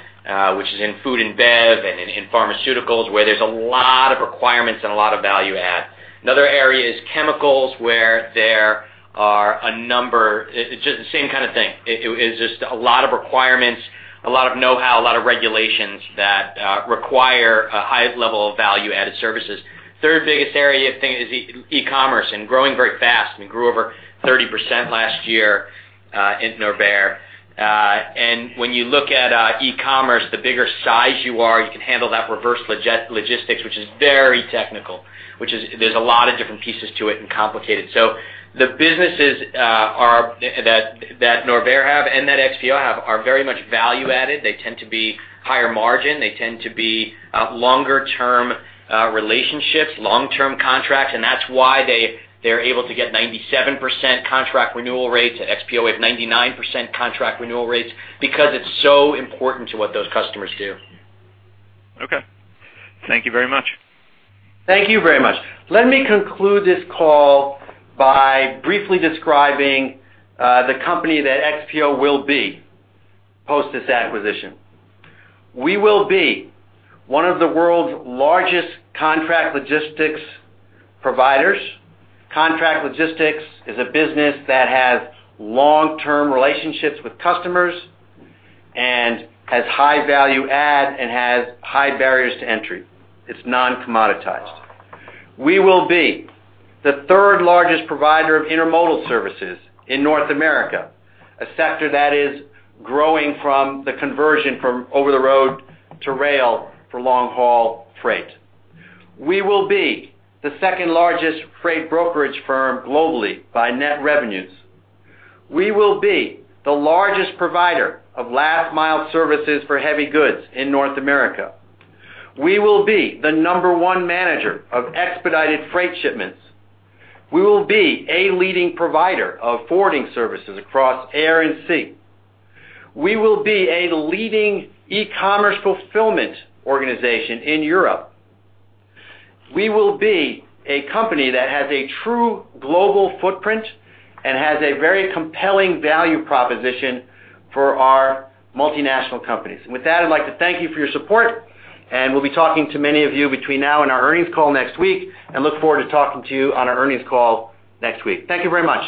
which is in food and bev and in pharmaceuticals, where there's a lot of requirements and a lot of value add. Another area is chemicals, where there are a number... It's just the same kind of thing. It's just a lot of requirements, a lot of know-how, a lot of regulations that require a high level of value-added services... Third biggest area of thing is e-commerce, and growing very fast. We grew over 30% last year in Norbert. And when you look at e-commerce, the bigger size you are, you can handle that reverse logistics, which is very technical, which is, there's a lot of different pieces to it and complicated. So the businesses that Norbert have and that XPO have are very much value-added. They tend to be higher margin. They tend to be longer term relationships, long-term contracts, and that's why they're able to get 97% contract renewal rates. At XPO, we have 99% contract renewal rates, because it's so important to what those customers do. Okay. Thank you very much. Thank you very much. Let me conclude this call by briefly describing the company that XPO will be, post this acquisition. We will be one of the world's largest contract logistics providers. Contract logistics is a business that has long-term relationships with customers and has high value add and has high barriers to entry. It's non-commoditized. We will be the third largest provider of intermodal services in North America, a sector that is growing from the conversion from over the road to rail for long-haul freight. We will be the second largest freight brokerage firm globally by net revenues. We will be the largest provider of last mile services for heavy goods in North America. We will be the number one manager of expedited freight shipments. We will be a leading provider of forwarding services across air and sea. We will be a leading e-commerce fulfillment organization in Europe. We will be a company that has a true global footprint and has a very compelling value proposition for our multinational companies. With that, I'd like to thank you for your support, and we'll be talking to many of you between now and our earnings call next week, and look forward to talking to you on our earnings call next week. Thank you very much.